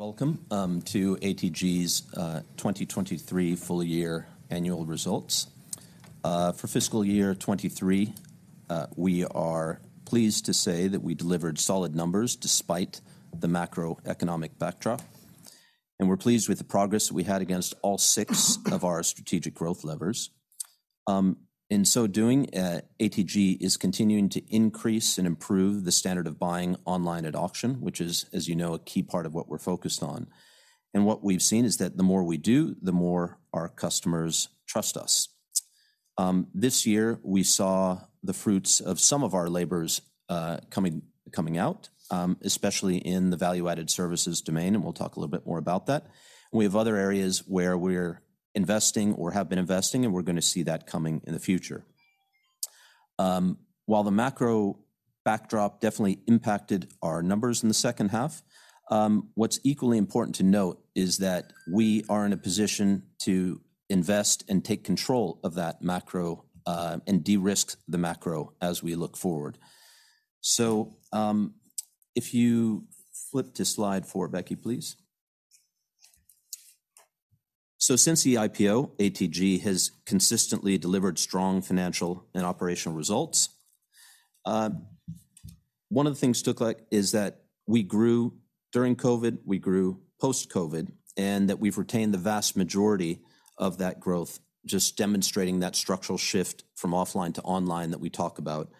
Welcome to ATG's 2023 Full Year Annual Results for Fiscal Year 2023, we are pleased to say that we delivered solid numbers despite the macroeconomic backdrop, and we're pleased with the progress we had against all six of our strategic growth levers. In so doing, ATG is continuing to increase and improve the standard of buying online at auction, which is, as you know, a key part of what we're focused on. And what we've seen is that the more we do, the more our customers trust us. This year, we saw the fruits of some of our labors coming out, especially in the value-added services domain, and we'll talk a little bit more about that. We have other areas where we're investing or have been investing, and we're gonna see that coming in the future. While the macro backdrop definitely impacted our numbers in the second half, what's equally important to note is that we are in a position to invest and take control of that macro, and de-risk the macro as we look forward. So, if you flip to slide four, Becky, please. So since the IPO, ATG has consistently delivered strong financial and operational results. One of the things to look like is that we grew during COVID, we grew post-COVID, and that we've retained the vast majority of that growth, just demonstrating that structural shift from offline to online that we talk about.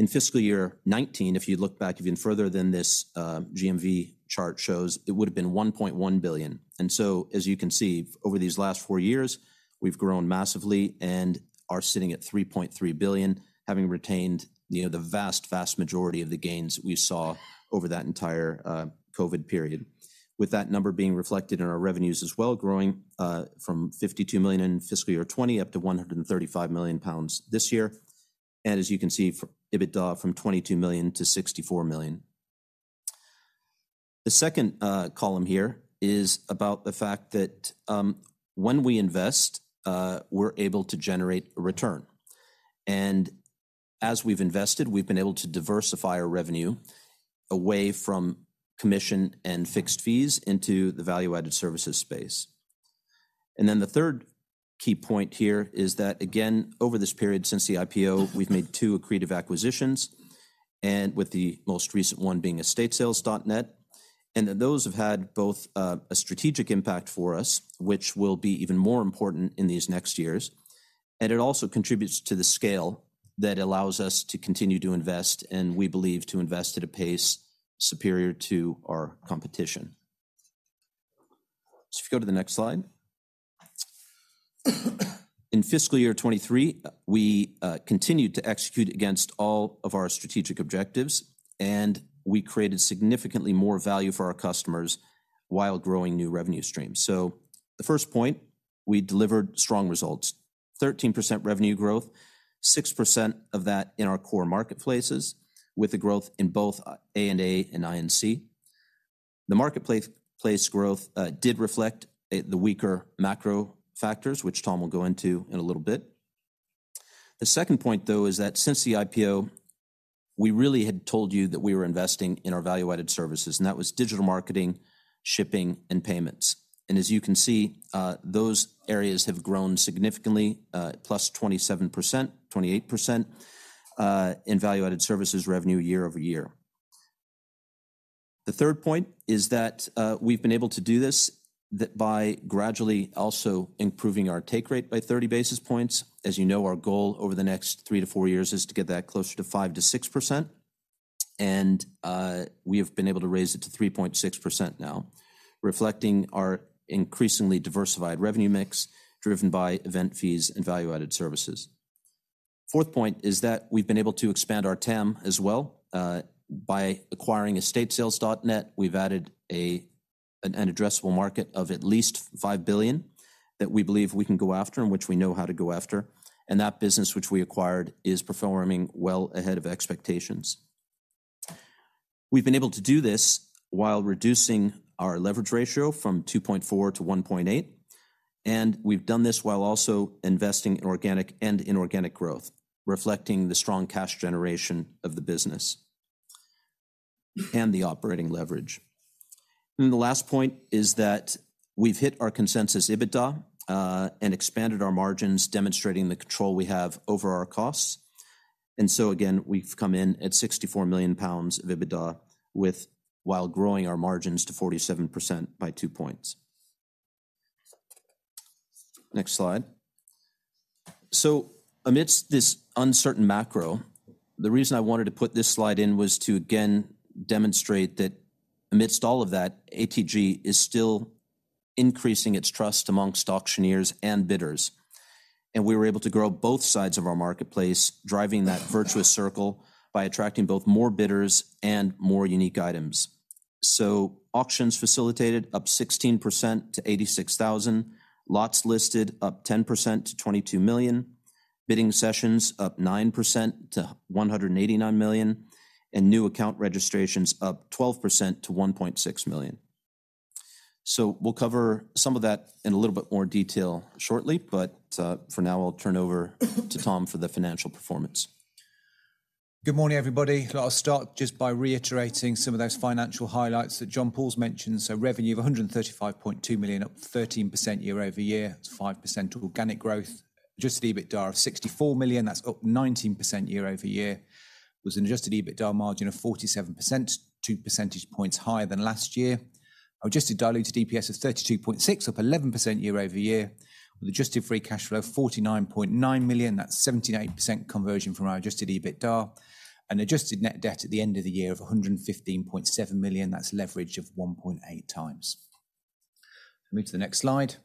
In fiscal year 2019, if you look back even further than this, GMV chart shows, it would have been 1.1 billion. As you can see, over these last four years, we've grown massively and are sitting at 3.3 billion, having retained, you know, the vast, vast majority of the gains we saw over that entire, COVID period. With that number being reflected in our revenues as well, growing, from 52 million in fiscal year 2020 up to 135 million pounds this year. As you can see, EBITDA from 22 million to 64 million. The second, column here is about the fact that, when we invest, we're able to generate a return. As we've invested, we've been able to diversify our revenue away from commission and fixed fees into the value-added services space. And then the third key point here is that, again, over this period since the IPO, we've made two accretive acquisitions, and with the most recent one being EstateSales.NET, and that those have had both, a strategic impact for us, which will be even more important in these next years. And it also contributes to the scale that allows us to continue to invest, and we believe, to invest at a pace superior to our competition. So if you go to the next slide. In fiscal year 2023, we continued to execute against all of our strategic objectives, and we created significantly more value for our customers while growing new revenue streams. So the first point, we delivered strong results, 13% revenue growth, 6% of that in our core marketplaces, with the growth in both A&A and I&C. The marketplace growth did reflect the weaker macro factors, which Tom will go into in a little bit. The second point, though, is that since the IPO, we really had told you that we were investing in our value-added services, and that was digital marketing, shipping, and payments. And as you can see, those areas have grown significantly,+27%, 28% in value-added services revenue year-over-year. The third point is that, we've been able to do this, that by gradually also improving our take rate by 30 basis points. As you know, our goal over the next 3-4 years is to get that closer to 5%-6%, and, we have been able to raise it to 3.6% now, reflecting our increasingly diversified revenue mix, driven by event fees and value-added services. Fourth point is that we've been able to expand our TAM as well. By acquiring EstateSales.NET, we've added an addressable market of at least $5 billion that we believe we can go after and which we know how to go after, and that business which we acquired is performing well ahead of expectations. We've been able to do this while reducing our leverage ratio from 2.4 to 1.8, and we've done this while also investing in organic and inorganic growth, reflecting the strong cash generation of the business and the operating leverage. The last point is that we've hit our consensus EBITDA and expanded our margins, demonstrating the control we have over our costs. So again, we've come in at 64 million pounds of EBITDA while growing our margins to 47% by 2 points. Next slide. So amidst this uncertain macro, the reason I wanted to put this slide in was to again demonstrate that amidst all of that, ATG is still increasing its trust amongst auctioneers and bidders. And we were able to grow both sides of our marketplace, driving that virtuous circle by attracting both more bidders and more unique items. So auctions facilitated up 16% to 86,000, lots listed up 10% to 22 million, bidding sessions up 9% to 189 million, and new account registrations up 12% to 1.6 million…. So we'll cover some of that in a little bit more detail shortly, but, for now, I'll turn over to Tom for the financial performance. Good morning, everybody. I'll start just by reiterating some of those financial highlights that John-Paul's mentioned. So revenue of 135.2 million, up 13% year-over-year, that's 5% organic growth. Adjusted EBITDA of 64 million, that's up 19% year-over-year, was an Adjusted EBITDA margin of 47%, two percentage points higher than last year. Adjusted diluted EPS of 32.6, up 11% year-over-year, with adjusted free cash flow of 49.9 million, that's 78% conversion from our adjusted EBITDA. An adjusted net debt at the end of the year of 115.7 million, that's leverage of 1.8 times. Move to the next slide.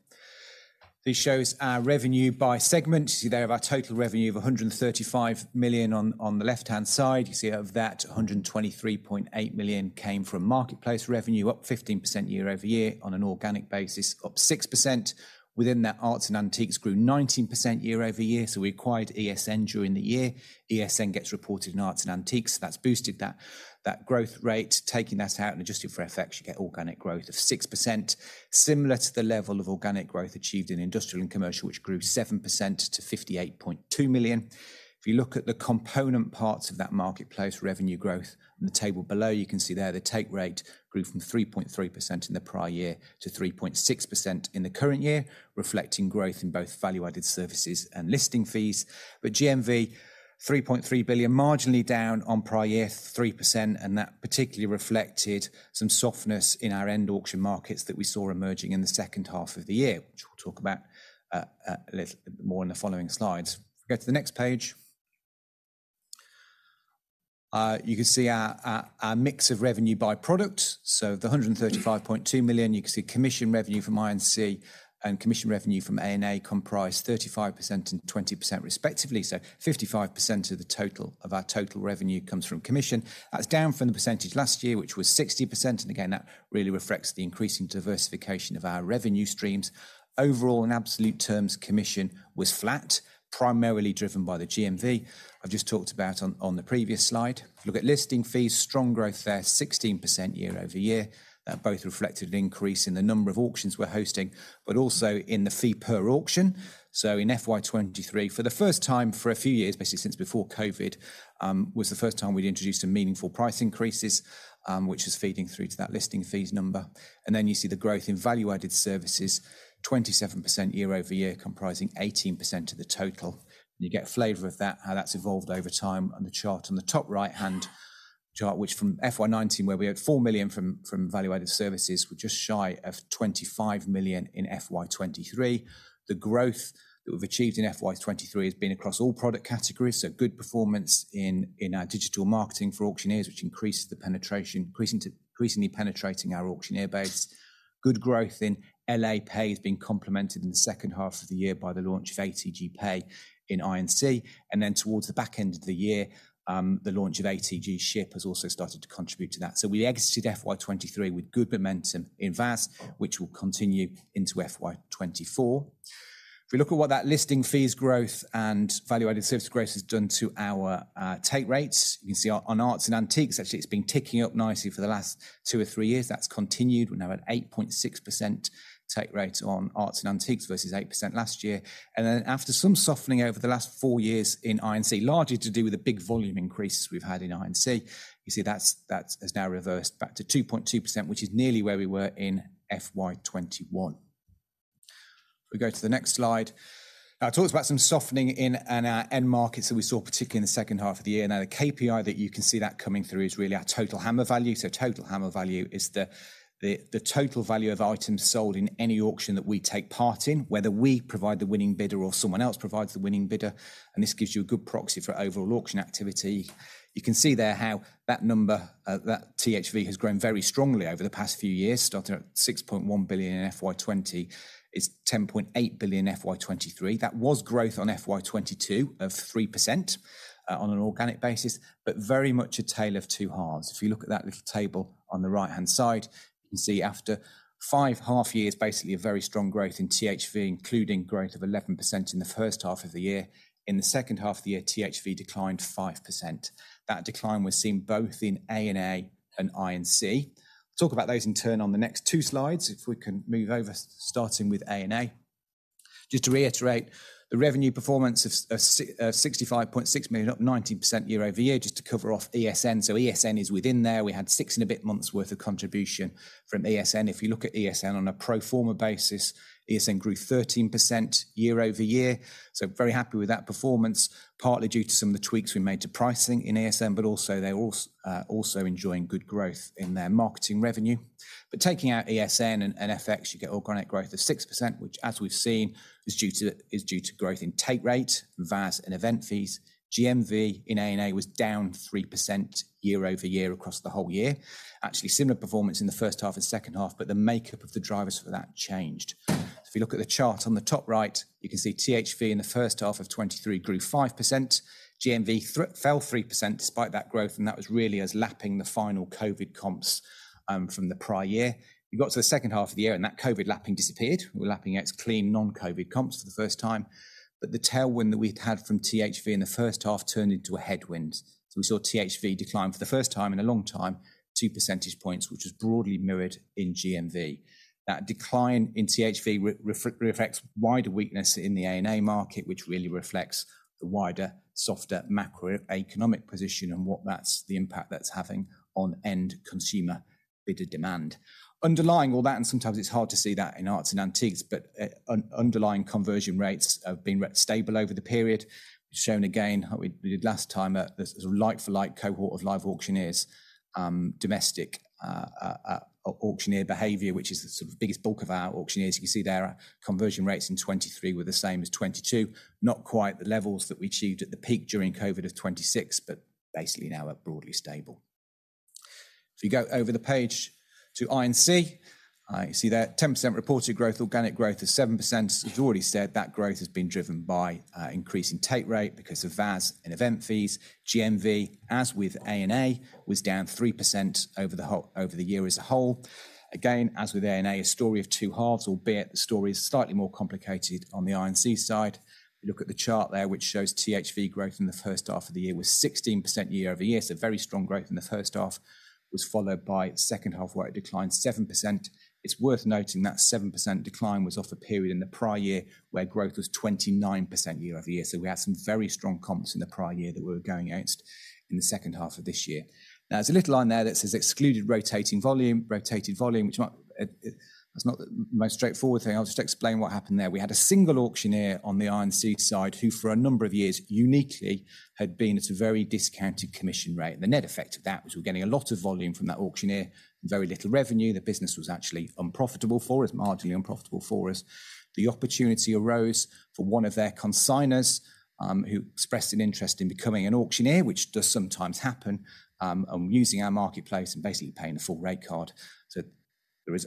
This shows our revenue by segment. You see there we have our total revenue of 135 million on the left-hand side. You see out of that, 123.8 million came from marketplace revenue, up 15% year-over-year on an organic basis, up 6%. Within that, Arts and Antiques grew 19% year-over-year, so we acquired ESN during the year. ESN gets reported in Arts and Antiques, so that's boosted that growth rate. Taking that out and adjusting for FX, you get organic growth of 6%, similar to the level of organic growth achieved in Industrial and Commercial, which grew 7% to 58.2 million. If you look at the component parts of that marketplace, revenue growth, on the table below, you can see there the take rate grew from 3.3% in the prior year to 3.6% in the current year, reflecting growth in both value-added services and listing fees. But GMV, 3.3 billion, marginally down on prior year, 3%, and that particularly reflected some softness in our end auction markets that we saw emerging in the second half of the year, which we'll talk about a little bit more in the following slides. Go to the next page. You can see our mix of revenue by product. So the 135.2 million, you can see commission revenue from I&C, and commission revenue from A&A comprised 35% and 20% respectively. So 55% of the total, of our total revenue comes from commission. That's down from the percentage last year, which was 60%, and again, that really reflects the increasing diversification of our revenue streams. Overall, in absolute terms, commission was flat, primarily driven by the GMV I've just talked about on the previous slide. If you look at listing fees, strong growth there, 16% year-over-year. Both reflected an increase in the number of auctions we're hosting, but also in the fee per auction. So in FY 2023, for the first time for a few years, basically since before COVID, was the first time we'd introduced some meaningful price increases, which is feeding through to that listing fees number. And then you see the growth in value-added services, 27% year-over-year, comprising 18% of the total. You get a flavor of that, how that's evolved over time on the chart. On the top right-hand chart, which from FY 2019, where we had 4 million from value-added services, we're just shy of 25 million in FY 2023. The growth that we've achieved in FY 2023 has been across all product categories, so good performance in our digital marketing for auctioneers, which increases the penetration, increasingly penetrating our auctioneer base. Good growth in LA Pay has been complemented in the second half of the year by the launch of ATG Pay in I&C, and then towards the back end of the year, the launch of ATG Ship has also started to contribute to that. So we exited FY 2023 with good momentum in VAS, which will continue into FY 2024. If we look at what that listing fees growth and value-added service growth has done to our take rates, you can see on Arts and Antiques, actually, it's been ticking up nicely for the last 2 or 3 years. That's continued. We're now at 8.6% take rate on Arts and Antiques versus 8% last year. And then after some softening over the last 4 years in I&C, largely to do with the big volume increases we've had in I&C, you see that has now reversed back to 2.2%, which is nearly where we were in FY 2021. If we go to the next slide. I talked about some softening in our end markets that we saw, particularly in the second half of the year. Now, the KPI that you can see that coming through is really our total hammer value. Total hammer value is the total value of items sold in any auction that we take part in, whether we provide the winning bidder or someone else provides the winning bidder, and this gives you a good proxy for overall auction activity. You can see there how that number, that THV has grown very strongly over the past few years, starting at 6.1 billion in FY 2020, it's 10.8 billion in FY 2023. That was growth on FY 2022 of 3%, on an organic basis, but very much a tale of two halves. If you look at that little table on the right-hand side, you can see after five half years, basically a very strong growth in THV, including growth of 11% in the first half of the year. In the second half of the year, THV declined 5%. That decline was seen both in A&A and I&C. Talk about those in turn on the next two slides, if we can move over, starting with A&A. Just to reiterate, the revenue performance of 65.6 million, up 19% year-over-year, just to cover off ESN. So ESN is within there. We had six and a bit months worth of contribution from ESN. If you look at ESN on a pro forma basis, ESN grew 13% year-over-year. So very happy with that performance, partly due to some of the tweaks we made to pricing in ESN, but also they're also enjoying good growth in their marketing revenue. But taking out ESN and FX, you get organic growth of 6%, which, as we've seen, is due to growth in take rate, VAS, and event fees. GMV in A&A was down 3% year-over-year across the whole year. Actually, similar performance in the first half and second half, but the makeup of the drivers for that changed. If you look at the chart on the top right, you can see THV in the first half of 2023 grew 5%. GMV fell 3% despite that growth, and that was really us lapping the final COVID comps from the prior year. You got to the second half of the year, and that COVID lapping disappeared. We're lapping its clean, non-COVID comps for the first time, but the tailwind that we've had from THV in the first half turned into a headwind. So we saw THV decline for the first time in a long time, two percentage points, which was broadly mirrored in GMV. That decline in THV reflects wider weakness in the A&A market, which really reflects the wider, softer macroeconomic position and what that's, the impact that's having on end consumer bit of demand. Underlying all that, and sometimes it's hard to see that in Arts and Antiques, but underlying conversion rates have been stable over the period. Shown again, how we did last time at this like-for-like cohort of live auctioneers, domestic auctioneer behavior, which is the sort of biggest bulk of our auctioneers. You can see there our conversion rates in 2023 were the same as 2022. Not quite the levels that we achieved at the peak during COVID of 26%, but basically now are broadly stable. If you go over the page to I&C, you see that 10% reported growth, organic growth is 7%. As we've already said, that growth has been driven by, increasing take rate because of VAS and event fees. GMV, as with A&A, was down 3% over the year as a whole. Again, as with A&A, a story of two halves, albeit the story is slightly more complicated on the I&C side. If you look at the chart there, which shows THV growth in the first half of the year was 16% year-over-year, so very strong growth in the first half, was followed by second half, where it declined 7%. It's worth noting that 7% decline was off a period in the prior year, where growth was 29% year-over-year. So we had some very strong comps in the prior year that we were going against in the second half of this year. Now, there's a little line there that says, "Excluded rotating volume," rotated volume, which might, it's not the most straightforward thing. I'll just explain what happened there. We had a single auctioneer on the I&C side, who, for a number of years, uniquely had been at a very discounted commission rate. The net effect of that was we were getting a lot of volume from that auctioneer and very little revenue. The business was actually unprofitable for us, marginally unprofitable for us. The opportunity arose for one of their consignors, who expressed an interest in becoming an auctioneer, which does sometimes happen, using our marketplace and basically paying the full rate card.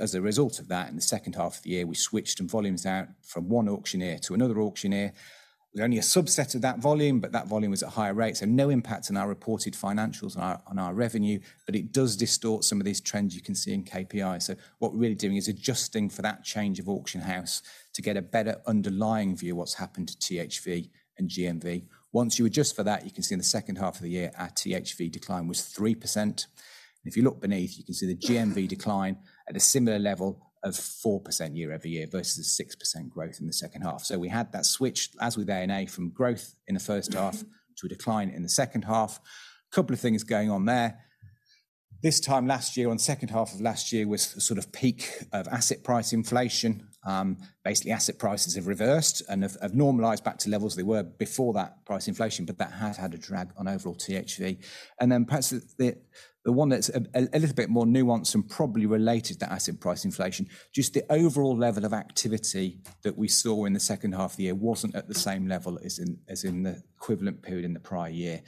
As a result of that, in the second half of the year, we switched some volumes out from one auctioneer to another auctioneer. With only a subset of that volume, but that volume was at higher rates, so no impact on our reported financials on our, on our revenue, but it does distort some of these trends you can see in KPIs. So what we're really doing is adjusting for that change of auction house to get a better underlying view of what's happened to THV and GMV. Once you adjust for that, you can see in the second half of the year, our THV decline was 3%. And if you look beneath, you can see the GMV decline at a similar level of 4% year-over-year, versus 6% growth in the second half. So we had that switch, as with A&A, from growth in the first half to a decline in the second half. Couple of things going on there. This time last year, on the second half of last year, was the sort of peak of asset price inflation. Basically, asset prices have reversed and have normalized back to levels they were before that price inflation, but that has had a drag on overall THV. And then perhaps the one that's a little bit more nuanced and probably related to asset price inflation, just the overall level of activity that we saw in the second half of the year wasn't at the same level as in the equivalent period in the prior year.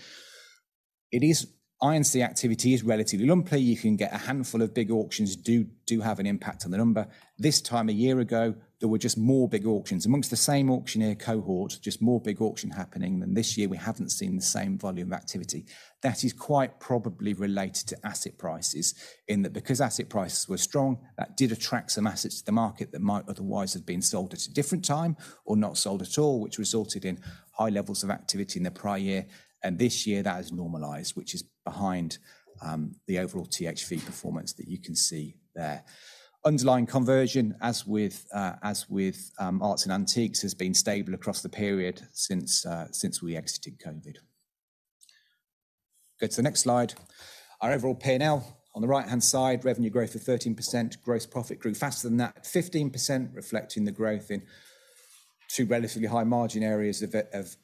It is. I&C activity is relatively lumpy. You can get a handful of big auctions do have an impact on the number. This time a year ago, there were just more big auctions. Amongst the same auctioneer cohort, just more big auction happening, and this year we haven't seen the same volume of activity. That is quite probably related to asset prices, in that because asset prices were strong, that did attract some assets to the market that might otherwise have been sold at a different time or not sold at all, which resulted in high levels of activity in the prior year. And this year, that has normalized, which is behind the overall THV performance that you can see there. Underlying conversion, as with Arts and Antiques, has been stable across the period since we exited COVID. Go to the next slide. Our overall P&L. On the right-hand side, revenue growth of 13%. Gross profit grew faster than that, at 15%, reflecting the growth in two relatively high-margin areas of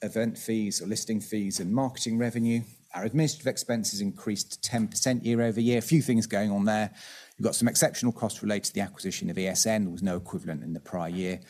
event fees or listing fees and marketing revenue. Our administrative expenses increased 10% year-over-year. A few things going on there. We've got some exceptional costs related to the acquisition of ESN. There was no equivalent in the prior year.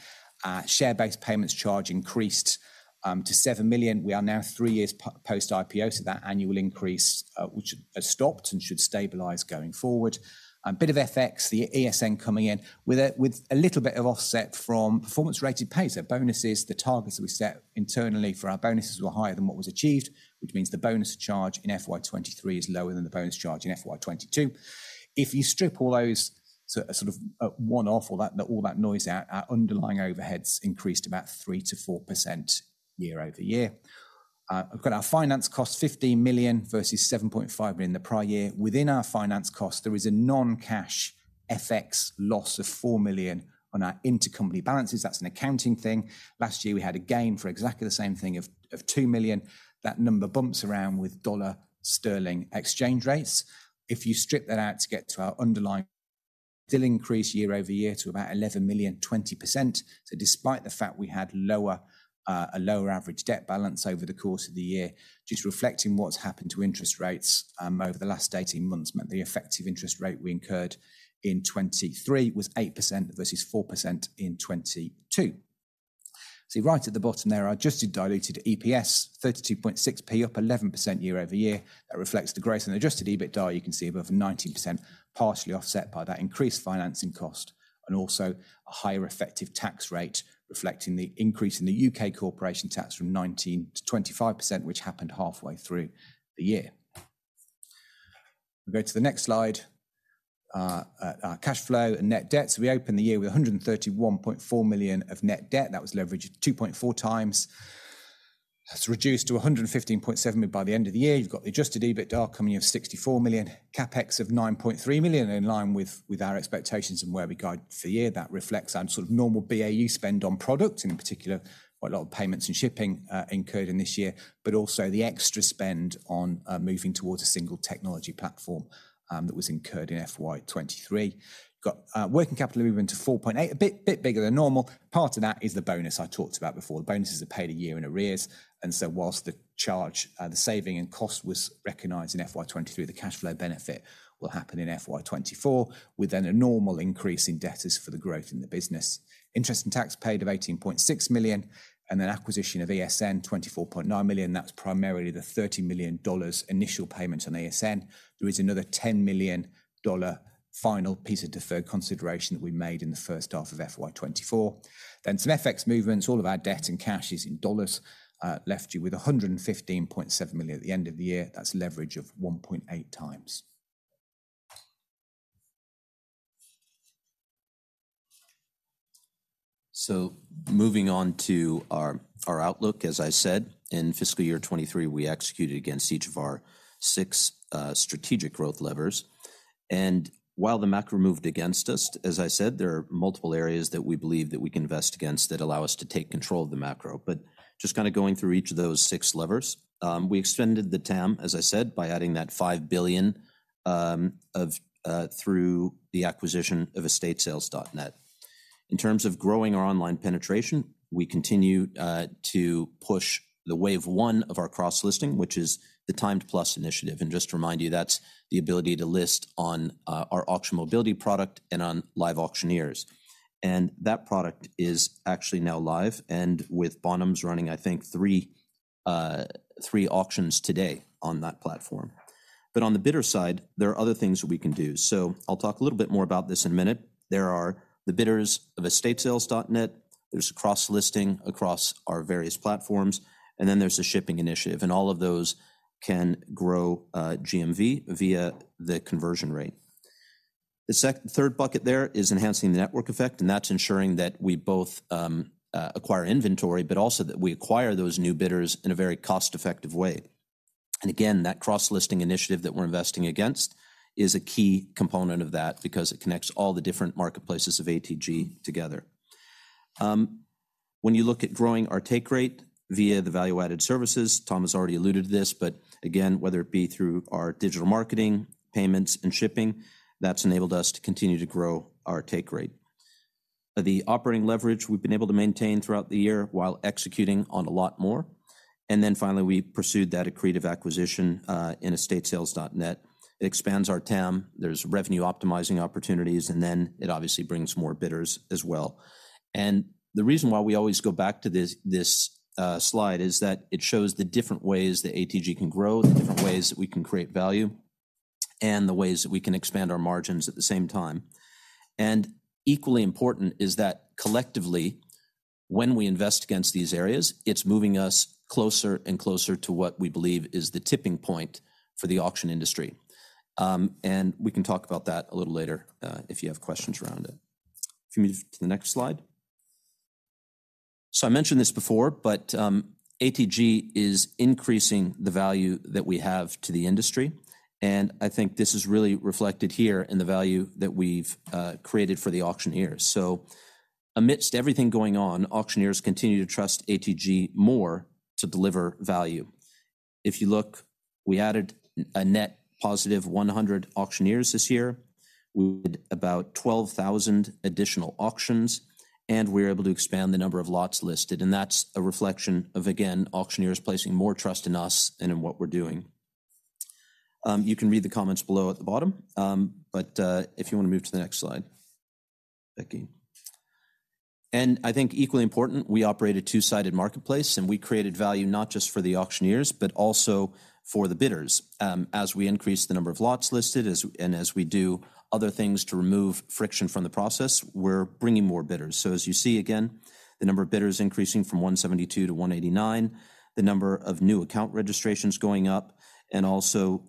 Share-based payments charge increased to 7 million. We are now three years post-IPO, so that annual increase, which has stopped and should stabilize going forward. A bit of FX, the ESN coming in with a little bit of offset from performance-rated pay. So bonuses, the targets that we set internally for our bonuses were higher than what was achieved, which means the bonus charge in FY 2023 is lower than the bonus charge in FY 2022. If you strip all those so, sort of, one-off or that, all that noise out, our underlying overheads increased about 3%-4% year-over-year. We've got our finance costs, 15 million, versus 7.5 million in the prior year. Within our finance cost, there is a non-cash FX loss of 4 million on our intercompany balances. That's an accounting thing. Last year, we had a gain for exactly the same thing of 2 million. That number bumps around with dollar-sterling exchange rates. If you strip that out to get to our underlying, still increase year-over-year to about 11 million, 20%. So despite the fact we had lower, a lower average debt balance over the course of the year, just reflecting what's happened to interest rates, over the last eighteen months, meant the effective interest rate we incurred in 2023 was 8% versus 4% in 2022. So right at the bottom there, adjusted diluted EPS, 32.6p, up 11% year-over-year. That reflects the growth in adjusted EBITDA. You can see above 19%, partially offset by that increased financing cost and also a higher effective tax rate, reflecting the increase in the U.K. corporation tax from 19% to 25%, which happened halfway through the year. We go to the next slide. Our cash flow and net debt. We opened the year with 131.4 million of net debt. That was leveraged 2.4x. That's reduced to 115.7 million by the end of the year. You've got the adjusted EBITDA coming in of 64 million, CapEx of 9.3 million, in line with our expectations and where we guide for the year. That reflects our sort of normal BAU spend on product, and in particular, quite a lot of payments and shipping incurred in this year, but also the extra spend on moving towards a single technology platform that was incurred in FY 2023. Got working capital movement to 4.8, a bit bigger than normal. Part of that is the bonus I talked about before. The bonuses are paid a year in arrears, and so whilst the charge, the saving and cost was recognized in FY 2023, the cash flow benefit will happen in FY 2024, with then a normal increase in debtors for the growth in the business. Interest and tax paid of 18.6 million, and then acquisition of ESN, 24.9 million. That's primarily the $30 million initial payment on ESN. There is another $10 million final piece of deferred consideration that we made in the first half of FY 2024. Then some FX movements, all of our debt and cash is in dollars, left you with $115.7 million at the end of the year. That's leverage of 1.8 times. So moving on to our outlook, as I said, in fiscal year 2023, we executed against each of our six strategic growth levers. And while the macro moved against us, as I said, there are multiple areas that we believe that we can invest against that allow us to take control of the macro. But just kind of going through each of those six levers, we extended the TAM, as I said, by adding that $5 billion through the acquisition of EstateSales.NET. In terms of growing our online penetration, we continue to push the wave one of our cross-listing, which is the Timed+ initiative. And just to remind you, that's the ability to list on our Auction Mobility product and on LiveAuctioneers. And that product is actually now live, and with Bonhams running, I think, three, three auctions today on that platform. But on the bidder side, there are other things that we can do. So I'll talk a little bit more about this in a minute. There are the bidders of EstateSales.NET, there's cross-listing across our various platforms, and then there's the shipping initiative, and all of those can grow GMV via the conversion rate. The third bucket there is enhancing the network effect, and that's ensuring that we both acquire inventory, but also that we acquire those new bidders in a very cost-effective way. And again, that cross-listing initiative that we're investing against is a key component of that because it connects all the different marketplaces of ATG together. When you look at growing our take rate via the value-added services, Tom has already alluded to this, but again, whether it be through our digital marketing, payments, and shipping, that's enabled us to continue to grow our take rate. The operating leverage we've been able to maintain throughout the year while executing on a lot more. And then finally, we pursued that accretive acquisition in EstateSales.NET. It expands our TAM, there's revenue-optimizing opportunities, and then it obviously brings more bidders as well. And the reason why we always go back to this, this slide is that it shows the different ways that ATG can grow, the different ways that we can create value, and the ways that we can expand our margins at the same time. Equally important is that collectively, when we invest against these areas, it's moving us closer and closer to what we believe is the tipping point for the auction industry. And we can talk about that a little later, if you have questions around it. If you move to the next slide. I mentioned this before, but ATG is increasing the value that we have to the industry, and I think this is really reflected here in the value that we've created for the auctioneers. So amidst everything going on, auctioneers continue to trust ATG more to deliver value. If you look, we added a net positive 100 auctioneers this year. We added about 12,000 additional auctions, and we were able to expand the number of lots listed, and that's a reflection of, again, auctioneers placing more trust in us and in what we're doing. You can read the comments below at the bottom, but if you want to move to the next slide, Becky. And I think equally important, we operate a two-sided marketplace, and we created value not just for the auctioneers, but also for the bidders. As we increase the number of lots listed, and as we do other things to remove friction from the process, we're bringing more bidders. So as you see, again, the number of bidders increasing from 172 to 189, the number of new account registrations going up, and also,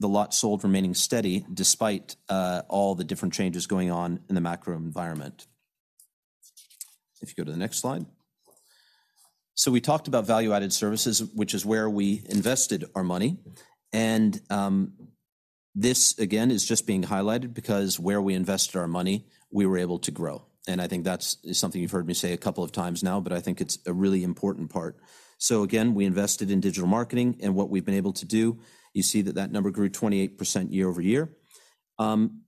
the lot sold remaining steady despite all the different changes going on in the macro environment. If you go to the next slide. So we talked about value-added services, which is where we invested our money, and, this again is just being highlighted because where we invested our money, we were able to grow. And I think that's something you've heard me say a couple of times now, but I think it's a really important part. So again, we invested in digital marketing, and what we've been able to do, you see that that number grew 28% year-over-year,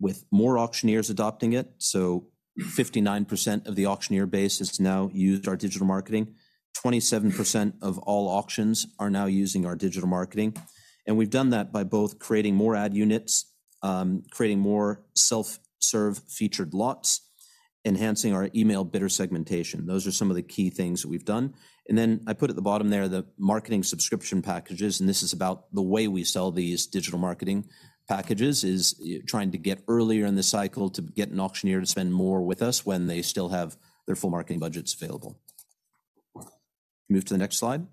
with more auctioneers adopting it. So 59% of the auctioneer base has now used our digital marketing. 27% of all auctions are now using our digital marketing, and we've done that by both creating more ad units, creating more self-serve featured lots, enhancing our email bidder segmentation. Those are some of the key things that we've done. And then I put at the bottom there, the marketing subscription packages, and this is about the way we sell these digital marketing packages, is trying to get earlier in the cycle to get an auctioneer to spend more with us when they still have their full marketing budgets available. Move to the next slide?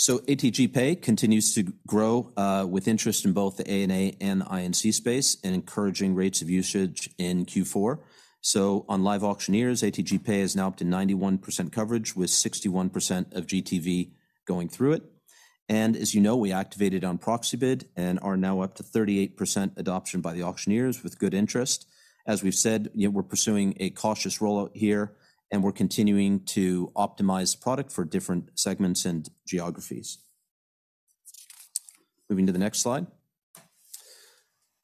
So ATG Pay continues to grow with interest in both the A&A and the I&C space, and encouraging rates of usage in Q4. So on LiveAuctioneers, ATG Pay is now up to 91% coverage, with 61% of GTV going through it. As you know, we activated on Proxibid and are now up to 38% adoption by the auctioneers with good interest. As we've said, you know, we're pursuing a cautious rollout here, and we're continuing to optimize product for different segments and geographies. Moving to the next slide.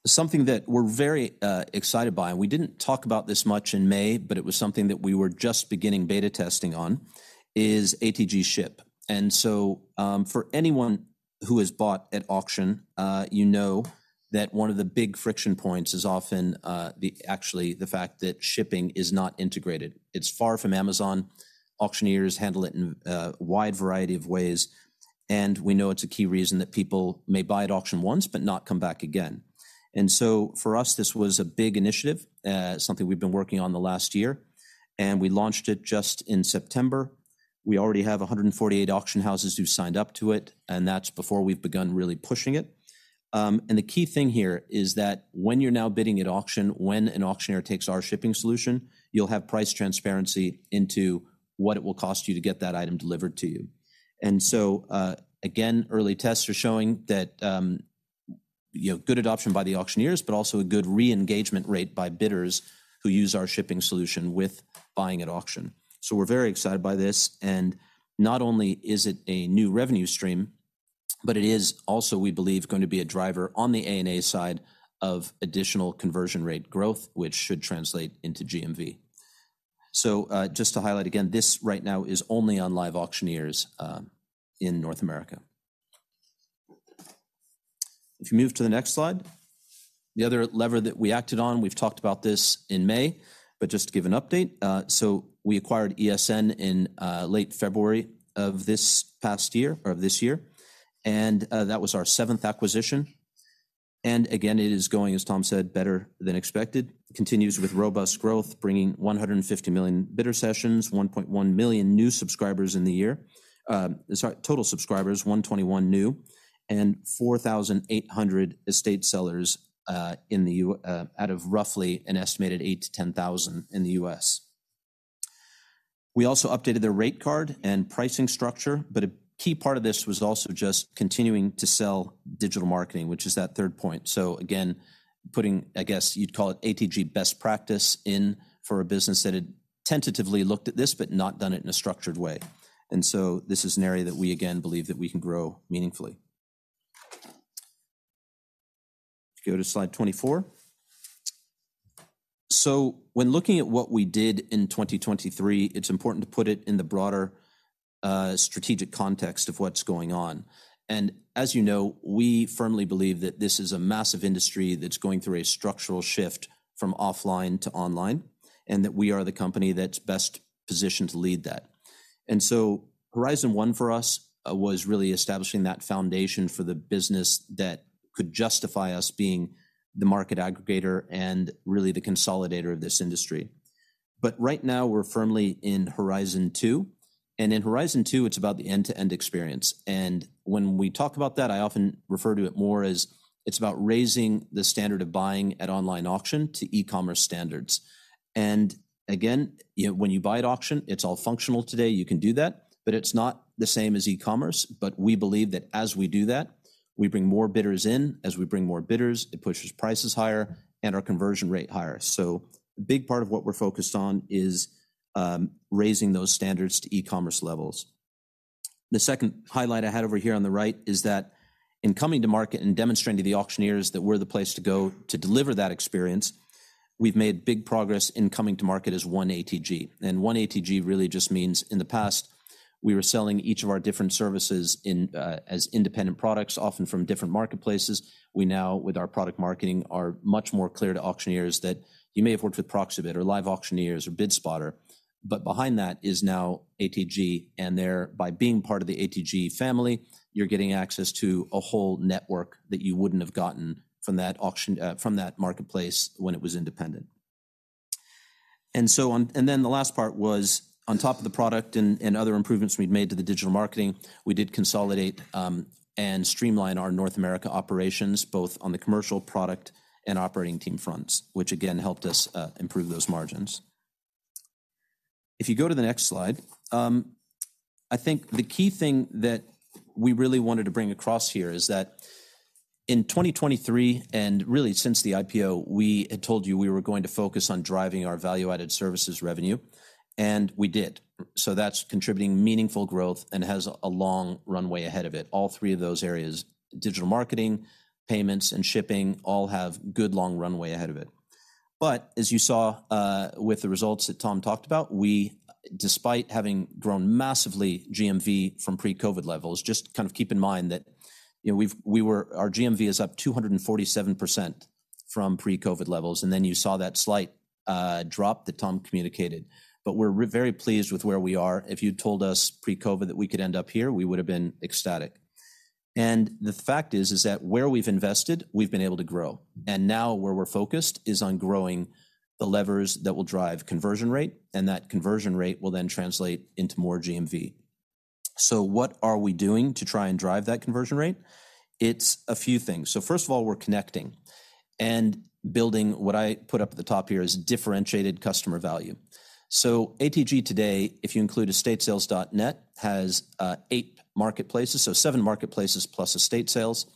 Something that we're very excited by, and we didn't talk about this much in May, but it was something that we were just beginning beta testing on, is ATG Ship. And so, for anyone who has bought at auction, you know that one of the big friction points is often actually the fact that shipping is not integrated. It's far from Amazon. Auctioneers handle it in a wide variety of ways, and we know it's a key reason that people may buy at auction once but not come back again. For us, this was a big initiative, something we've been working on the last year, and we launched it just in September. We already have 148 auction houses who signed up to it, and that's before we've begun really pushing it. The key thing here is that when you're now bidding at auction, when an auctioneer takes our shipping solution, you'll have price transparency into what it will cost you to get that item delivered to you. Again, early tests are showing that, you know, good adoption by the auctioneers, but also a good reengagement rate by bidders who use our shipping solution with buying at auction. So we're very excited by this, and not only is it a new revenue stream, but it is also, we believe, going to be a driver on the A&A side of additional conversion rate growth, which should translate into GMV. So, just to highlight again, this right now is only on LiveAuctioneers, in North America. If you move to the next slide. The other lever that we acted on, we've talked about this in May, but just to give an update. So we acquired ESN in, late February of this past year, or of this year, and, that was our seventh acquisition. And again, it is going, as Tom said, better than expected. Continues with robust growth, bringing 150 million bidder sessions, 1.1 million new subscribers in the year. Sorry, total subscribers, 121 new, and 4,800 estate sellers, out of roughly an estimated 8,000-10,000 in the U.S. We also updated their rate card and pricing structure, but a key part of this was also just continuing to sell digital marketing, which is that third point. So again, putting, I guess, you'd call it ATG best practice in for a business that had tentatively looked at this, but not done it in a structured way. And so this is an area that we, again, believe that we can grow meaningfully. If you go to slide 24. So when looking at what we did in 2023, it's important to put it in the broader, strategic context of what's going on. As you know, we firmly believe that this is a massive industry that's going through a structural shift from offline to online, and that we are the company that's best positioned to lead that. So Horizon One for us was really establishing that foundation for the business that could justify us being the market aggregator and really the consolidator of this industry. But right now, we're firmly in Horizon Two, and in Horizon Two, it's about the end-to-end experience. And when we talk about that, I often refer to it more as it's about raising the standard of buying at online auction to e-commerce standards. And again, you know, when you buy at auction, it's all functional today. You can do that, but it's not the same as e-commerce. But we believe that as we do that, we bring more bidders in. As we bring more bidders, it pushes prices higher and our conversion rate higher. So a big part of what we're focused on is raising those standards to e-commerce levels. The second highlight I had over here on the right is that in coming to market and demonstrating to the auctioneers that we're the place to go to deliver that experience, we've made big progress in coming to market as one ATG. And one ATG really just means in the past, we were selling each of our different services in as independent products, often from different marketplaces. We now, with our product marketing, are much more clear to auctioneers that you may have worked with Proxibid or LiveAuctioneers or BidSpotter, but behind that is now ATG, and there, by being part of the ATG family, you're getting access to a whole network that you wouldn't have gotten from that auction, from that marketplace when it was independent. And so on and then the last part was on top of the product and, and other improvements we'd made to the digital marketing, we did consolidate, and streamline our North America operations, both on the commercial product and operating team fronts, which again, helped us, improve those margins. If you go to the next slide. I think the key thing that we really wanted to bring across here is that in 2023, and really since the IPO, we had told you we were going to focus on driving our value-added services revenue, and we did. So that's contributing meaningful growth and has a long runway ahead of it. All three of those areas, digital marketing, payments, and shipping, all have good long runway ahead of it. But as you saw, with the results that Tom talked about, we... Despite having grown massively GMV from pre-COVID levels, just kind of keep in mind that, you know, we've our GMV is up 247% from pre-COVID levels, and then you saw that slight drop that Tom communicated. But we're very pleased with where we are. If you'd told us pre-COVID that we could end up here, we would have been ecstatic…. The fact is, is that where we've invested, we've been able to grow. Now where we're focused is on growing the levers that will drive conversion rate, and that conversion rate will then translate into more GMV. What are we doing to try and drive that conversion rate? It's a few things. First of all, we're connecting and building, what I put up at the top here is differentiated customer value. So ATG today, if you include EstateSales.NET, has eight marketplaces. Seven marketplaces plus estate sales,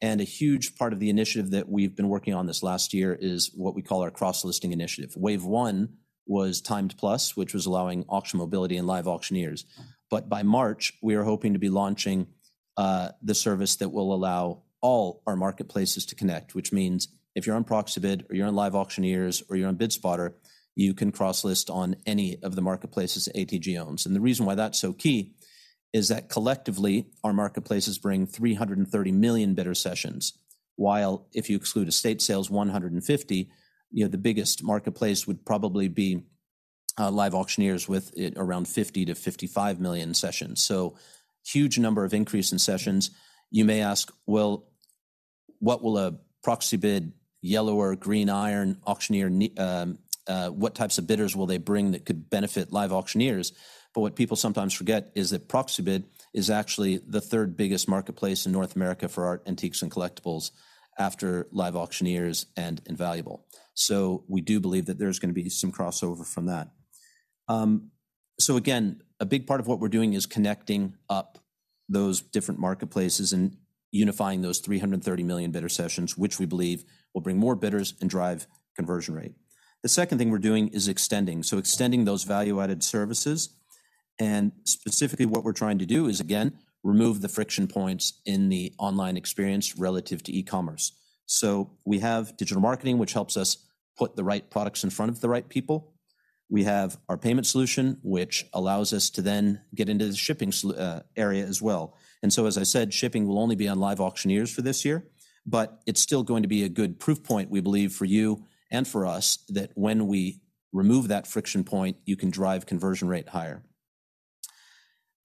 and a huge part of the initiative that we've been working on this last year is what we call our cross-listing initiative. Wave one was Timed+, which was allowing Auction Mobility and LiveAuctioneers. But by March, we are hoping to be launching the service that will allow all our marketplaces to connect, which means if you're on Proxibid, or you're on LiveAuctioneers, or you're on BidSpotter, you can cross-list on any of the marketplaces ATG owns. And the reason why that's so key is that collectively, our marketplaces bring 330 million bidder sessions, while if you exclude estate sales, 150, you know, the biggest marketplace would probably be LiveAuctioneers, with it around 50-55 million sessions. So huge number of increase in sessions. You may ask, "Well, what will a Proxibid, Yellow or Green Iron, Auctioneer, what types of bidders will they bring that could benefit LiveAuctioneers?" But what people sometimes forget is that Proxibid is actually the third biggest marketplace in North America for art, antiques, and collectibles after LiveAuctioneers and Invaluable. So we do believe that there's gonna be some crossover from that. So again, a big part of what we're doing is connecting up those different marketplaces and unifying those 330 million bidder sessions, which we believe will bring more bidders and drive conversion rate. The second thing we're doing is extending. So extending those value-added services, and specifically, what we're trying to do is, again, remove the friction points in the online experience relative to e-commerce. So we have digital marketing, which helps us put the right products in front of the right people. We have our payment solution, which allows us to then get into the shipping area as well. And so, as I said, shipping will only be on LiveAuctioneers for this year, but it's still going to be a good proof point, we believe, for you and for us, that when we remove that friction point, you can drive conversion rate higher.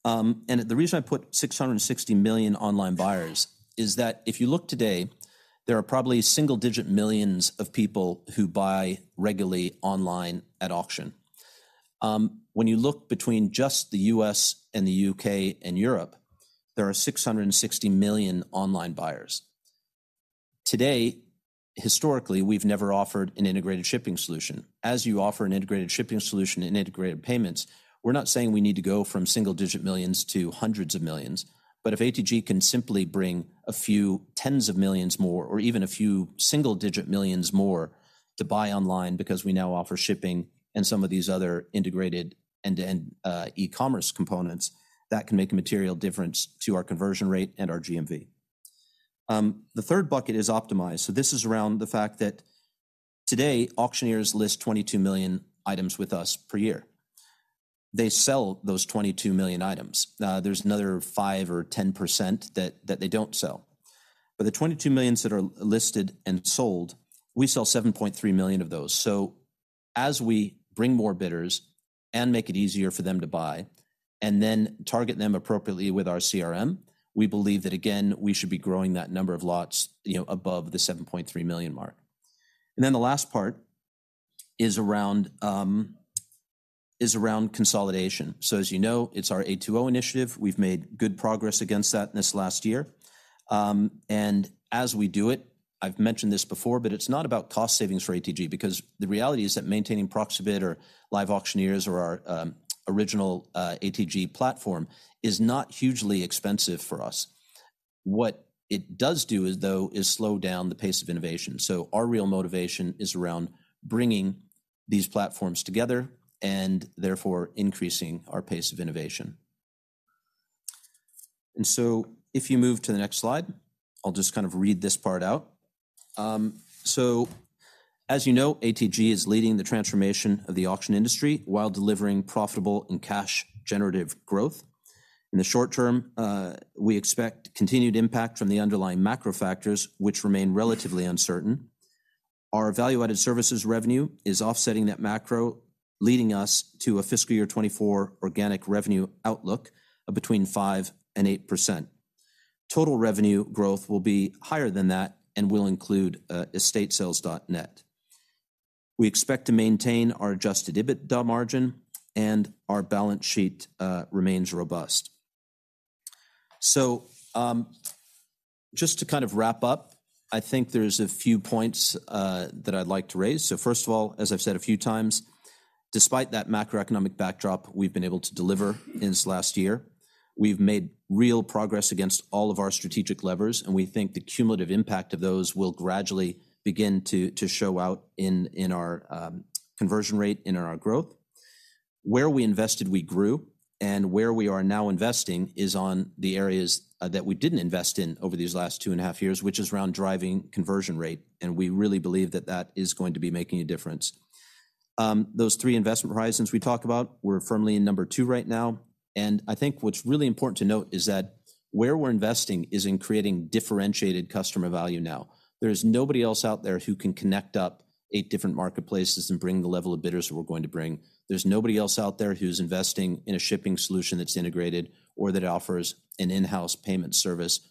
And the reason I put 660 million online buyers is that if you look today, there are probably single-digit millions of people who buy regularly online at auction. When you look between just the U.S. and the U.K. and Europe, there are 660 million online buyers. Today, historically, we've never offered an integrated shipping solution. As you offer an integrated shipping solution and integrated payments, we're not saying we need to go from single-digit millions to hundreds of millions, but if ATG can simply bring a few tens of millions more or even a few single-digit millions more to buy online, because we now offer shipping and some of these other integrated end-to-end e-commerce components, that can make a material difference to our conversion rate and our GMV. The third bucket is optimize. So this is around the fact that today, auctioneers list 22 million items with us per year. They sell those 22 million items. There's another 5%-10% that they don't sell. But the 22 millions that are listed and sold, we sell 7.3 million of those. So as we bring more bidders and make it easier for them to buy, and then target them appropriately with our CRM, we believe that, again, we should be growing that number of lots, you know, above the 7.3 million mark. And then the last part is around consolidation. So as you know, it's our A2O initiative. We've made good progress against that in this last year. And as we do it, I've mentioned this before, but it's not about cost savings for ATG, because the reality is that maintaining Proxibid or LiveAuctioneers or our original ATG platform is not hugely expensive for us. What it does do is, though, slow down the pace of innovation. So our real motivation is around bringing these platforms together and therefore increasing our pace of innovation. And so if you move to the next slide, I'll just kind of read this part out. So as you know, ATG is leading the transformation of the auction industry while delivering profitable and cash-generative growth. In the short term, we expect continued impact from the underlying macro factors, which remain relatively uncertain. Our Value-Added Services revenue is offsetting that macro, leading us to a fiscal year 2024 organic revenue outlook of between 5% and 8%. Total revenue growth will be higher than that and will include EstateSales.NET. We expect to maintain our Adjusted EBITDA margin, and our balance sheet remains robust. So, just to kind of wrap up, I think there's a few points that I'd like to raise. So first of all, as I've said a few times, despite that macroeconomic backdrop, we've been able to deliver in this last year. We've made real progress against all of our strategic levers, and we think the cumulative impact of those will gradually begin to show out in our conversion rate and in our growth. Where we invested, we grew, and where we are now investing is on the areas that we didn't invest in over these last two and a half years, which is around driving conversion rate, and we really believe that that is going to be making a difference. Those three investment horizons we talked about, we're firmly in number two right now, and I think what's really important to note is that where we're investing is in creating differentiated customer value now. There's nobody else out there who can connect up eight different marketplaces and bring the level of bidders that we're going to bring. There's nobody else out there who's investing in a shipping solution that's integrated, or that offers an in-house payment service,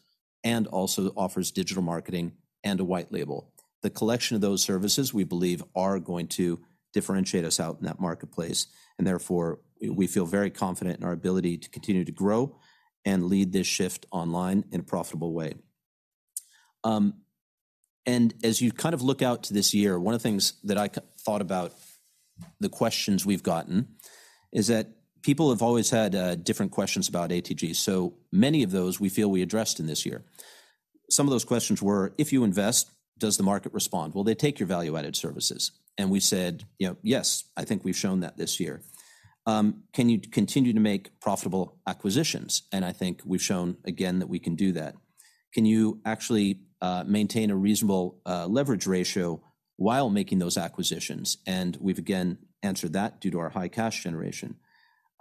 and also offers digital marketing and a white label. The collection of those services, we believe, are going to differentiate us out in that marketplace, and therefore, we feel very confident in our ability to continue to grow and lead this shift online in a profitable way. And as you kind of look out to this year, one of the things that I thought about, the questions we've gotten, is that people have always had different questions about ATG. So many of those we feel we addressed in this year. Some of those questions were: If you invest, does the market respond? Will they take your value-added services? We said, "You know, yes, I think we've shown that this year." Can you continue to make profitable acquisitions? And I think we've shown again that we can do that. Can you actually maintain a reasonable leverage ratio while making those acquisitions? And we've again answered that due to our high cash generation.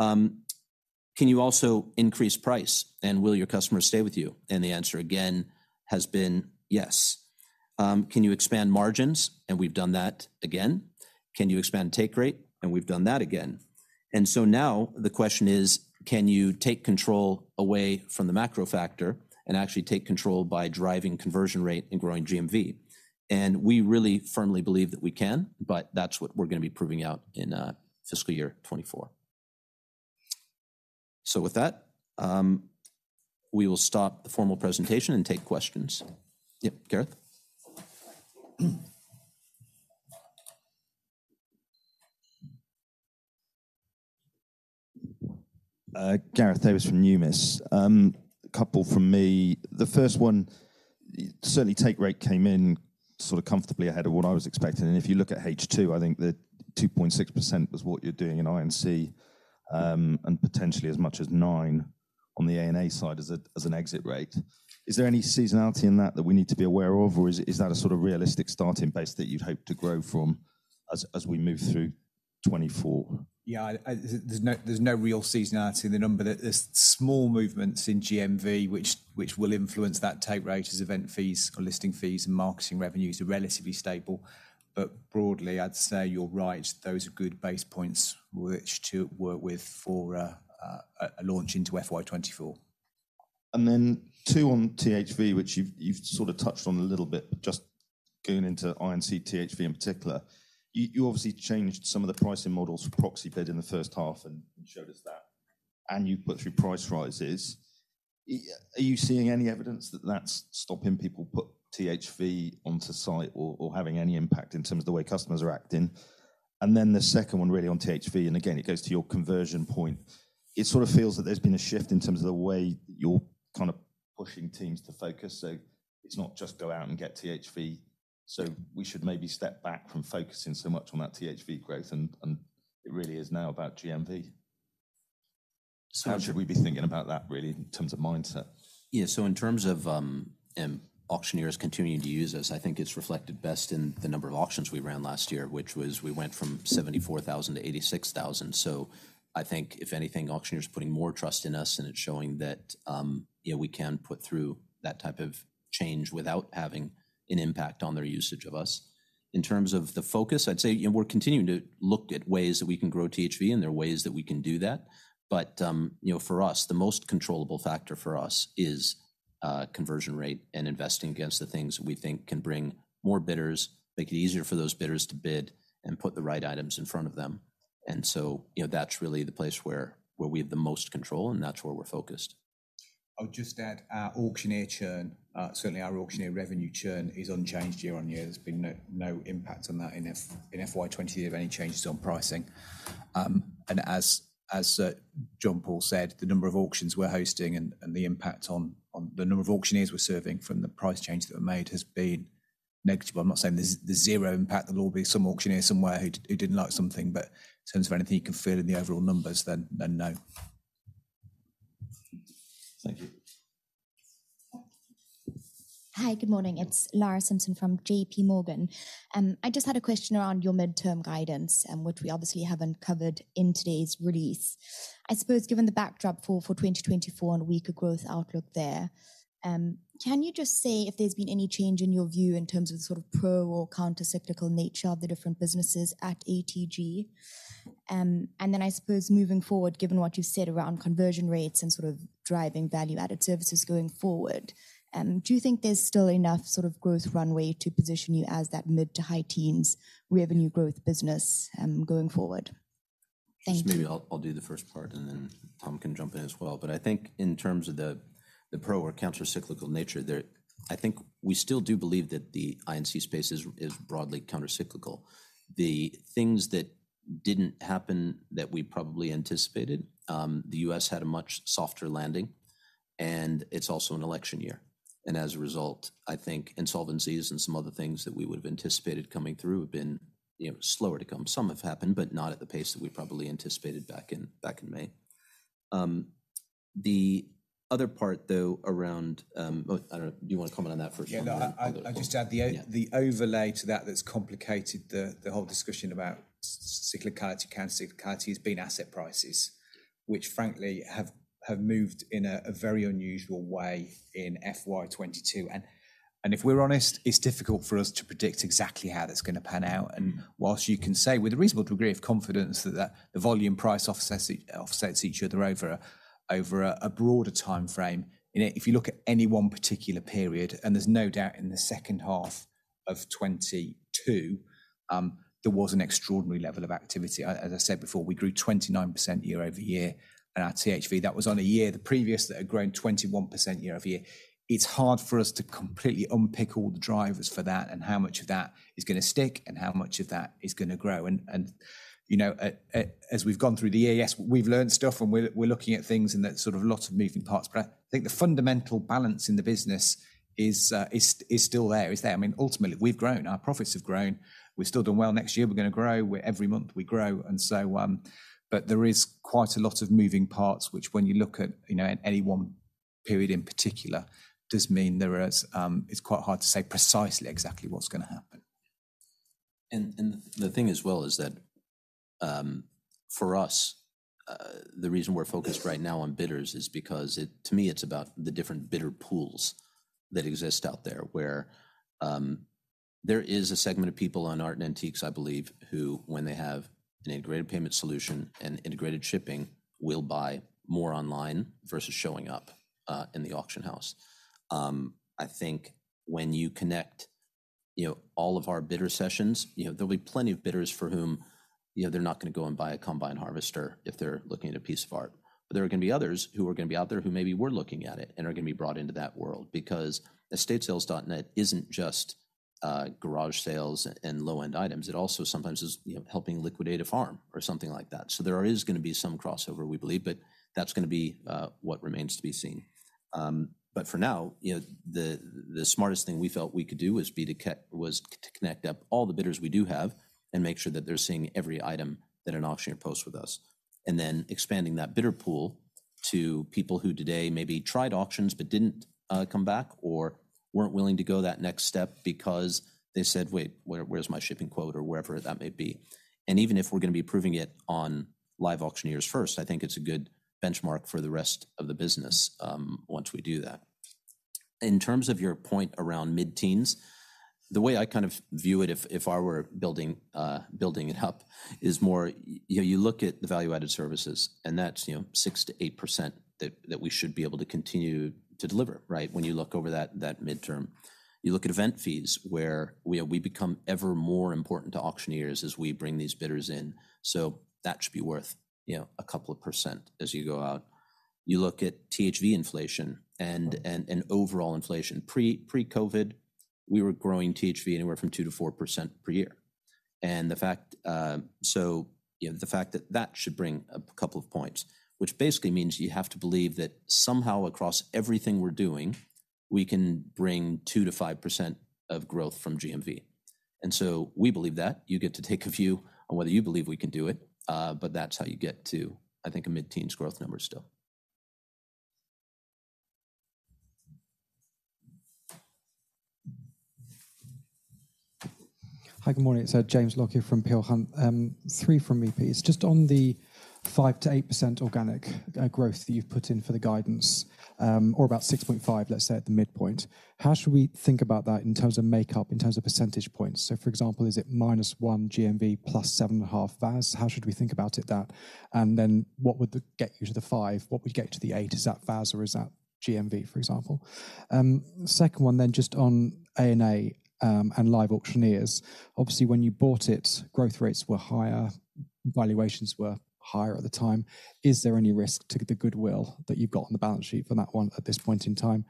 Can you also increase price, and will your customers stay with you? And the answer again has been yes. Can you expand margins? And we've done that again. Can you expand take rate? And we've done that again. And so now the question is: Can you take control away from the macro factor and actually take control by driving conversion rate and growing GMV? And we really firmly believe that we can, but that's what we're gonna be proving out in fiscal year 2024. With that, we will stop the formal presentation and take questions. Yep, Gareth? Gareth Davies from Numis. A couple from me. The first one, certainly, take rate came in sort of comfortably ahead of what I was expecting, and if you look at H2, I think that 2.6% was what you're doing in I&C, and potentially as much as 9% on the A&A side as a, as an exit rate. Is there any seasonality in that, that we need to be aware of, or is, is that a sort of realistic starting base that you'd hope to grow from as, as we move through 2024? Yeah, there's no real seasonality in the number. There's small movements in GMV, which will influence that take rate as event fees or listing fees and marketing revenues are relatively stable. But broadly, I'd say you're right, those are good base points which to work with for a launch into FY 2024. And then two on THV, which you've, you've sort of touched on a little bit, but just going into I&C THV in particular. You, you obviously changed some of the pricing models for Proxibid in the first half and, and showed us that, and you've put through price rises. Are you seeing any evidence that that's stopping people put THV onto site or, or having any impact in terms of the way customers are acting? And then the second one, really on THV, and again, it goes to your conversion point. It sort of feels that there's been a shift in terms of the way you're kind of pushing teams to focus, so it's not just go out and get THV. So we should maybe step back from focusing so much on that THV growth, and, and it really is now about GMV. So- How should we be thinking about that, really, in terms of mindset? Yeah, so in terms of, auctioneers continuing to use us, I think it's reflected best in the number of auctions we ran last year, which was we went from 74,000 to 86,000. So I think if anything, auctioneers are putting more trust in us, and it's showing that, yeah, we can put through that type of change without having an impact on their usage of us. In terms of the focus, I'd say, you know, we're continuing to look at ways that we can grow THV, and there are ways that we can do that. But, you know, for us, the most controllable factor for us is, conversion rate and investing against the things we think can bring more bidders, make it easier for those bidders to bid, and put the right items in front of them. You know, that's really the place where we have the most control, and that's where we're focused. I'll just add, our auctioneer churn, certainly our auctioneer revenue churn is unchanged year-over-year. There's been no impact on that in FY 2020 of any changes on pricing. And as John Paul said, the number of auctions we're hosting and the impact on the number of auctioneers we're serving from the price changes that were made has been negligible. I'm not saying there's zero impact. There will be some auctioneer somewhere who didn't like something, but in terms of anything you can feel in the overall numbers, then no. Thank you. Hi, good morning. It's Lara Simpson from JPMorgan. I just had a question around your midterm guidance, which we obviously haven't covered in today's release. I suppose, given the backdrop for 2024 and weaker growth outlook there, can you just say if there's been any change in your view in terms of sort of pro or countercyclical nature of the different businesses at ATG? And then I suppose moving forward, given what you've said around conversion rates and sort of driving value-added services going forward, do you think there's still enough sort of growth runway to position you as that mid- to high-teens revenue growth business, going forward? Thank you. Maybe I'll, I'll do the first part, and then Tom can jump in as well. But I think in terms of the pro or countercyclical nature there, I think we still do believe that the I&C space is broadly countercyclical. The things that didn't happen that we probably anticipated, the U.S. had a much softer landing, and it's also an election year. And as a result, I think insolvencies and some other things that we would've anticipated coming through have been, you know, slower to come. Some have happened, but not at the pace that we probably anticipated back in May. The other part, though, around, oh, I don't know. Do you wanna comment on that first? Yeah. No, I'll just add- Yeah... the overlay to that, that's complicated the whole discussion about cyclicality, countercyclicality has been asset prices, which frankly, have moved in a very unusual way in FY 2022. And if we're honest, it's difficult for us to predict exactly how that's gonna pan out. And whilst you can say with a reasonable degree of confidence that the volume price offsets each other over a broader timeframe, you know, if you look at any one particular period, and there's no doubt in the second half of 2022, there was an extraordinary level of activity. As I said before, we grew 29% year-over-year at THV. That was on a year, the previous, that had grown 21% year-over-year. It's hard for us to completely unpick all the drivers for that, and how much of that is gonna stick, and how much of that is gonna grow. And you know, as we've gone through the year, yes, we've learned stuff, and we're looking at things, and there's sort of a lot of moving parts. But I think the fundamental balance in the business is still there. I mean, ultimately, we've grown. Our profits have grown. We've still done well. Next year, we're gonna grow, where every month we grow, and so. But there is quite a lot of moving parts, which when you look at, you know, any one period in particular, does mean there is, it's quite hard to say precisely exactly what's gonna happen. The thing as well is that, for us, the reason we're focused right now on bidders is because it-- to me, it's about the different bidder pools that exist out there. Where, there is a segment of people on art and antiques, I believe, who, when they have an integrated payment solution and integrated shipping, will buy more online versus showing up in the auction house. I think when you connect, you know, all of our bidder sessions, you know, there'll be plenty of bidders for whom, you know, they're not gonna go and buy a combine harvester if they're looking at a piece of art. But there are gonna be others who are gonna be out there, who maybe were looking at it and are gonna be brought into that world. Because EstateSales.NET isn't just garage sales and low-end items, it also sometimes is, you know, helping liquidate a farm or something like that. So there is gonna be some crossover, we believe, but that's gonna be what remains to be seen. But for now, you know, the smartest thing we felt we could do was to connect up all the bidders we do have and make sure that they're seeing every item that an auctioneer posts with us. And then expanding that bidder pool to people who today maybe tried auctions but didn't come back, or weren't willing to go that next step because they said: "Wait, where's my shipping quote?" Or whatever that may be. Even if we're gonna be approving it on LiveAuctioneers first, I think it's a good benchmark for the rest of the business, once we do that. In terms of your point around mid-teens, the way I kind of view it, if I were building it up, is more, you know, you look at the value-added services, and that's, you know, 6%-8% that we should be able to continue to deliver, right? When you look over that midterm. You look at event fees, where we become ever more important to auctioneers as we bring these bidders in, so that should be worth, you know, a couple of percent as you go out. You look at THV inflation and overall inflation. Pre-COVID, we were growing THV anywhere from 2%-4% per year. So, you know, the fact that that should bring a couple of points, which basically means you have to believe that somehow across everything we're doing, we can bring 2%-5% of growth from GMV. So we believe that. You get to take a view on whether you believe we can do it, but that's how you get to, I think, a mid-teens growth number still. Hi, good morning. It's James Lockyer from Peel Hunt. Three from me, please. Just on the 5%-8% organic growth that you've put in for the guidance, or about 6.5, let's say, at the midpoint. How should we think about that in terms of makeup, in terms of percentage points? So for example, is it -1 GMV +7.5 VAS? How should we think about it that, and then what would get you to the 5? What would get to the 8? Is that VAS or is that GMV, for example? Second one, then just on A&A and LiveAuctioneers. Obviously, when you bought it, growth rates were higher, valuations were higher at the time. Is there any risk to the goodwill that you've got on the balance sheet from that one at this point in time?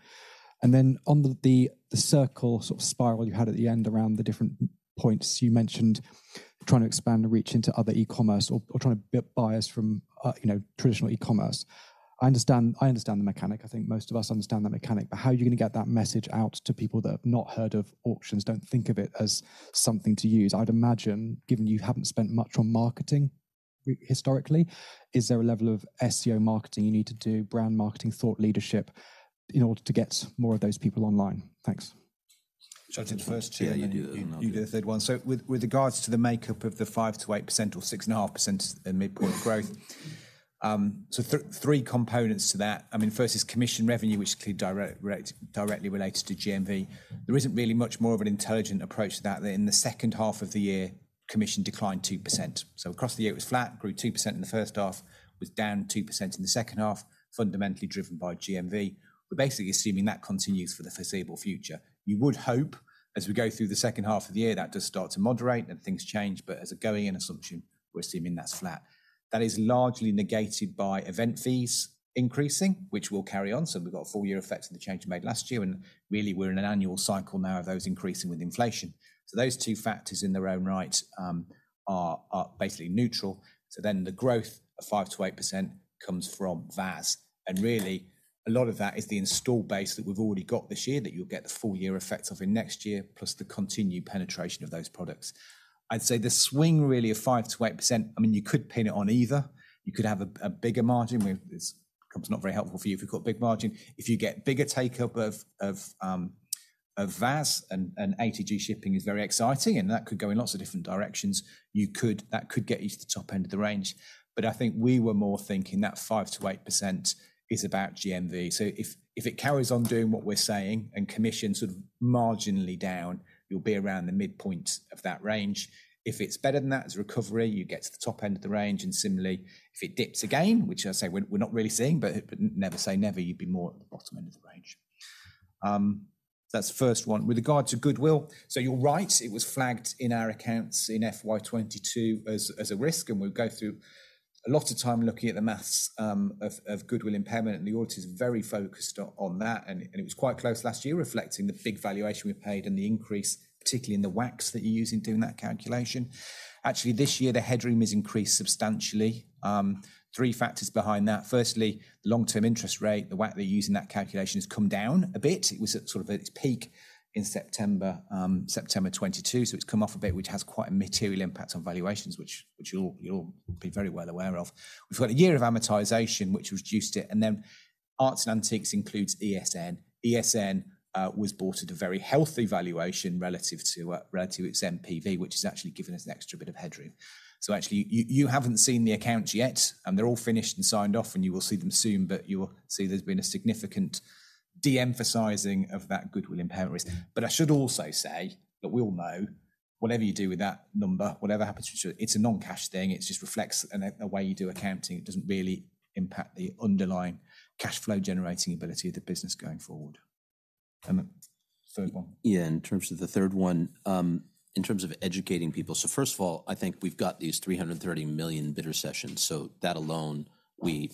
And then on the, the circle sort of spiral you had at the end around the different points you mentioned, trying to expand and reach into other e-commerce or trying to get buyers from, you know, traditional e-commerce. I understand, I understand the mechanic. I think most of us understand that mechanic, but how are you gonna get that message out to people that have not heard of auctions, don't think of it as something to use? I'd imagine, given you haven't spent much on marketing historically, is there a level of SEO marketing you need to do, brand marketing, thought leadership, in order to get more of those people online? Thanks. Should I do the first two? Yeah, you do that one.... and you do the third one. So with regards to the makeup of the 5%-8% or 6.5% at the midpoint growth, so three components to that. I mean, first is commission revenue, which is clearly directly related to GMV. There isn't really much more of an intelligent approach to that, than in the second half of the year, commission declined 2%. So across the year, it was flat, grew 2% in the first half, was down 2% in the second half, fundamentally driven by GMV. We're basically assuming that continues for the foreseeable future. You would hope, as we go through the second half of the year, that does start to moderate and things change, but as a going-in assumption, we're assuming that's flat. That is largely negated by event fees increasing, which will carry on, so we've got a full year effect of the change we made last year, and really, we're in an annual cycle now of those increasing with inflation. So those two factors in their own right are basically neutral. So then the growth of 5%-8% comes from VAS, and really, a lot of that is the install base that we've already got this year, that you'll get the full year effect of in next year, plus the continued penetration of those products. I'd say the swing really of 5%-8%, I mean, you could pin it on either. You could have a bigger margin, where it's probably not very helpful for you if you've got a big margin. If you get bigger take-up of VAS and ATG Ship is very exciting, and that could go in lots of different directions. You could. That could get you to the top end of the range. But I think we were more thinking that 5%-8% is about GMV. So if it carries on doing what we're saying, and commission sort of marginally down, you'll be around the midpoint of that range. If it's better than that, as a recovery, you get to the top end of the range, and similarly, if it dips again, which I say we're not really seeing, but never say never, you'd be more at the bottom end of the range. That's the first one. With regard to goodwill, so you're right, it was flagged in our accounts in FY 2022 as a risk, and we'll go through a lot of time looking at the math of goodwill impairment, and the audit is very focused on that, and it was quite close last year, reflecting the big valuation we paid and the increase, particularly in the WACC that you use in doing that calculation. Actually, this year, the headroom has increased substantially. Three factors behind that. Firstly, long-term interest rate, the WACC they're using, that calculation has come down a bit. It was at sort of at its peak in September 2022, so it's come off a bit, which has quite a material impact on valuations, which you'll be very well aware of. We've got a year of amortization, which reduced it, and then Arts and Antiques includes ESN. ESN was bought at a very healthy valuation relative to relative to its NPV, which has actually given us an extra bit of headroom. So actually, you, you haven't seen the accounts yet, and they're all finished and signed off, and you will see them soon, but you will see there's been a significant de-emphasizing of that goodwill impairment risk. But I should also say that we all know, whatever you do with that number, whatever happens to it, it's a non-cash thing. It just reflects the way you do accounting. It doesn't really impact the underlying cash flow generating ability of the business going forward. And the third one? Yeah, in terms of the third one, in terms of educating people, so first of all, I think we've got these 330 million bidder sessions, so that alone we,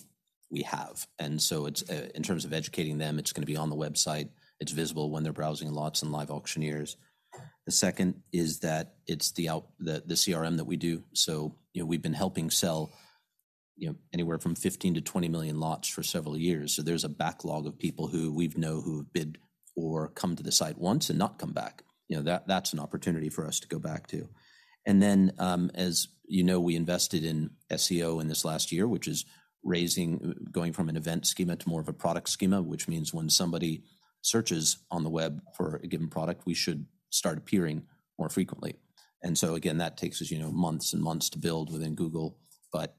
we have. And so it's in terms of educating them, it's going to be on the website. It's visible when they're browsing lots and LiveAuctioneers. The second is that it's the CRM that we do, so, you know, we've been helping sell, you know, anywhere from 15-20 million lots for several years. So there's a backlog of people who we know, who have bid or come to the site once and not come back. You know, that, that's an opportunity for us to go back to. And then, as you know, we invested in SEO in this last year, which is raising... Going from an event schema to more of a product schema, which means when somebody searches on the web for a given product, we should start appearing more frequently. And so again, that takes us, you know, months and months to build within Google. But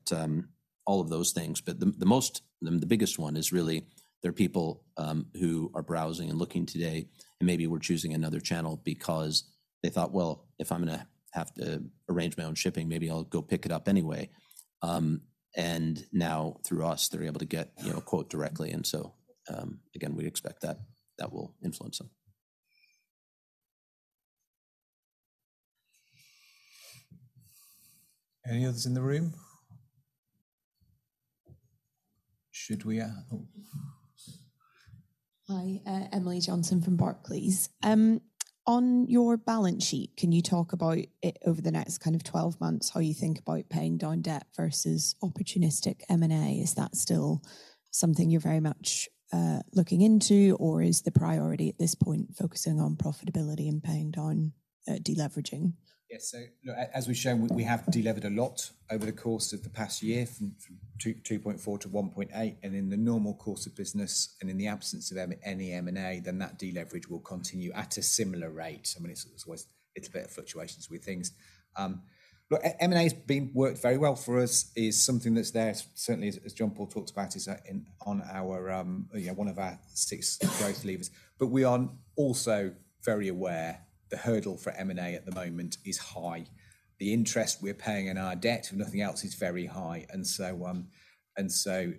all of those things, but the biggest one is really there are people who are browsing and looking today, and maybe we're choosing another channel because they thought, "Well, if I'm gonna have to arrange my own shipping, maybe I'll go pick it up anyway." And now through us, they're able to get, you know, a quote directly, and so again, we expect that will influence them. Any others in the room? Should we... Oh. Hi, Emily Johnson from Barclays. On your balance sheet, can you talk about it over the next kind of 12 months, how you think about paying down debt versus opportunistic M&A? Is that still something you're very much, looking into, or is the priority at this point focusing on profitability and paying down, deleveraging? Yes, so look, as we've shown, we have delevered a lot over the course of the past year, from 2.4 to 1.8, and in the normal course of business, and in the absence of any M&A, then that deleverage will continue at a similar rate. I mean, it's always, it's a bit of fluctuations with things. Look, M&A's been worked very well for us, is something that's there, certainly as John-Paul talked about, is in on our yeah, one of our six growth levers. But we are also very aware the hurdle for M&A at the moment is high. The interest we're paying in our debt, if nothing else, is very high. And so,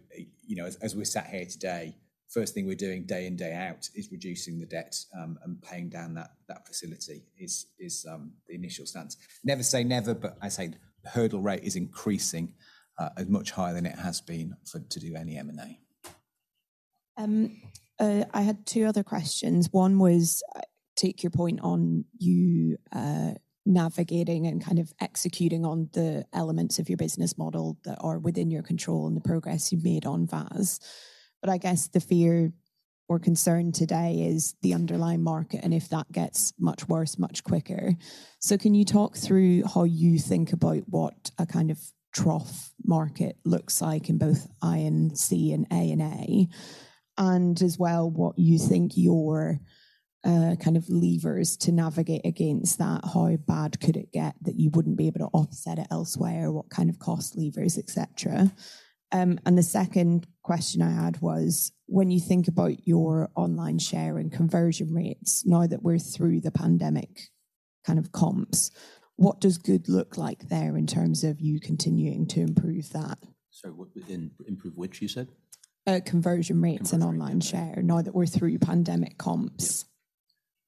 you know, as we're sat here today, first thing we're doing day in, day out, is reducing the debt and paying down that facility, is the initial stance. Never say never, but I say the hurdle rate is increasing much higher than it has been for to do any M&A. I had two other questions. One was, take your point on you navigating and kind of executing on the elements of your business model that are within your control and the progress you've made on VAS. But I guess the fear or concern today is the underlying market, and if that gets much worse, much quicker. So can you talk through how you think about what a kind of trough market looks like in both I&C and A&A, and as well, what you think your kind of levers to navigate against that? How bad could it get that you wouldn't be able to offset it elsewhere? What kind of cost levers, et cetera? And the second question I had was, when you think about your online share and conversion rates, now that we're through the pandemic kind of comps, what does good look like there in terms of you continuing to improve that? Sorry, what within... Improve which, you said? Conversion rates- Conversion rates. and online share, now that we're through pandemic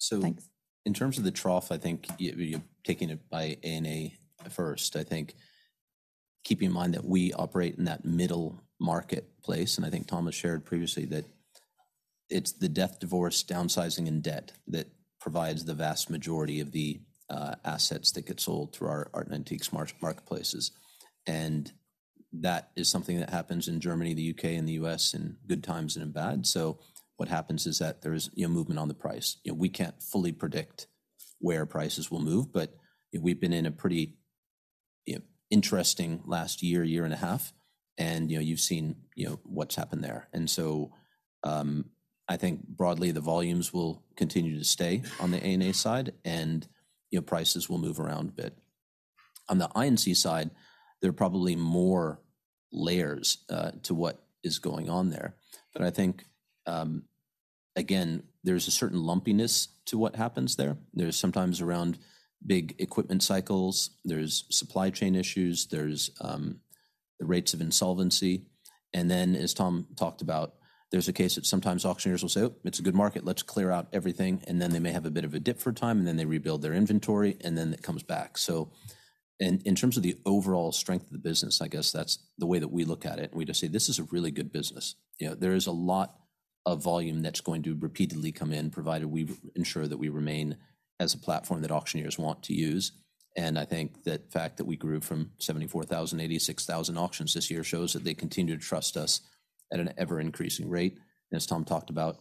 comps. Yeah. Thanks. So in terms of the trough, I think you, you're taking it by A&A first. I think keeping in mind that we operate in that middle marketplace, and I think Thomas shared previously that it's the death, divorce, downsizing, and debt that provides the vast majority of the assets that get sold through our art and antiques marketplaces. And that is something that happens in Germany, the U.K., and the U.S., in good times and in bad. So what happens is that there is, you know, movement on the price. You know, we can't fully predict where prices will move, but, you know, we've been in a pretty, you know, interesting last year, year and a half, and, you know, you've seen, you know, what's happened there. And so, I think broadly, the volumes will continue to stay on the A&A side, and, you know, prices will move around a bit. On the I&C side, there are probably more layers to what is going on there. But I think, again, there's a certain lumpiness to what happens there. There's sometimes around big equipment cycles, there's supply chain issues, there's the rates of insolvency. And then, as Tom talked about, there's a case that sometimes auctioneers will say, "Oh, it's a good market. Let's clear out everything," and then they may have a bit of a dip for a time, and then they rebuild their inventory, and then it comes back. So in terms of the overall strength of the business, I guess that's the way that we look at it, and we just say, "This is a really good business." You know, there is a lot of volume that's going to repeatedly come in, provided we've ensure that we remain as a platform that auctioneers want to use. And I think the fact that we grew from 74,000 to 86,000 auctions this year shows that they continue to trust us at an ever-increasing rate. As Tom talked about,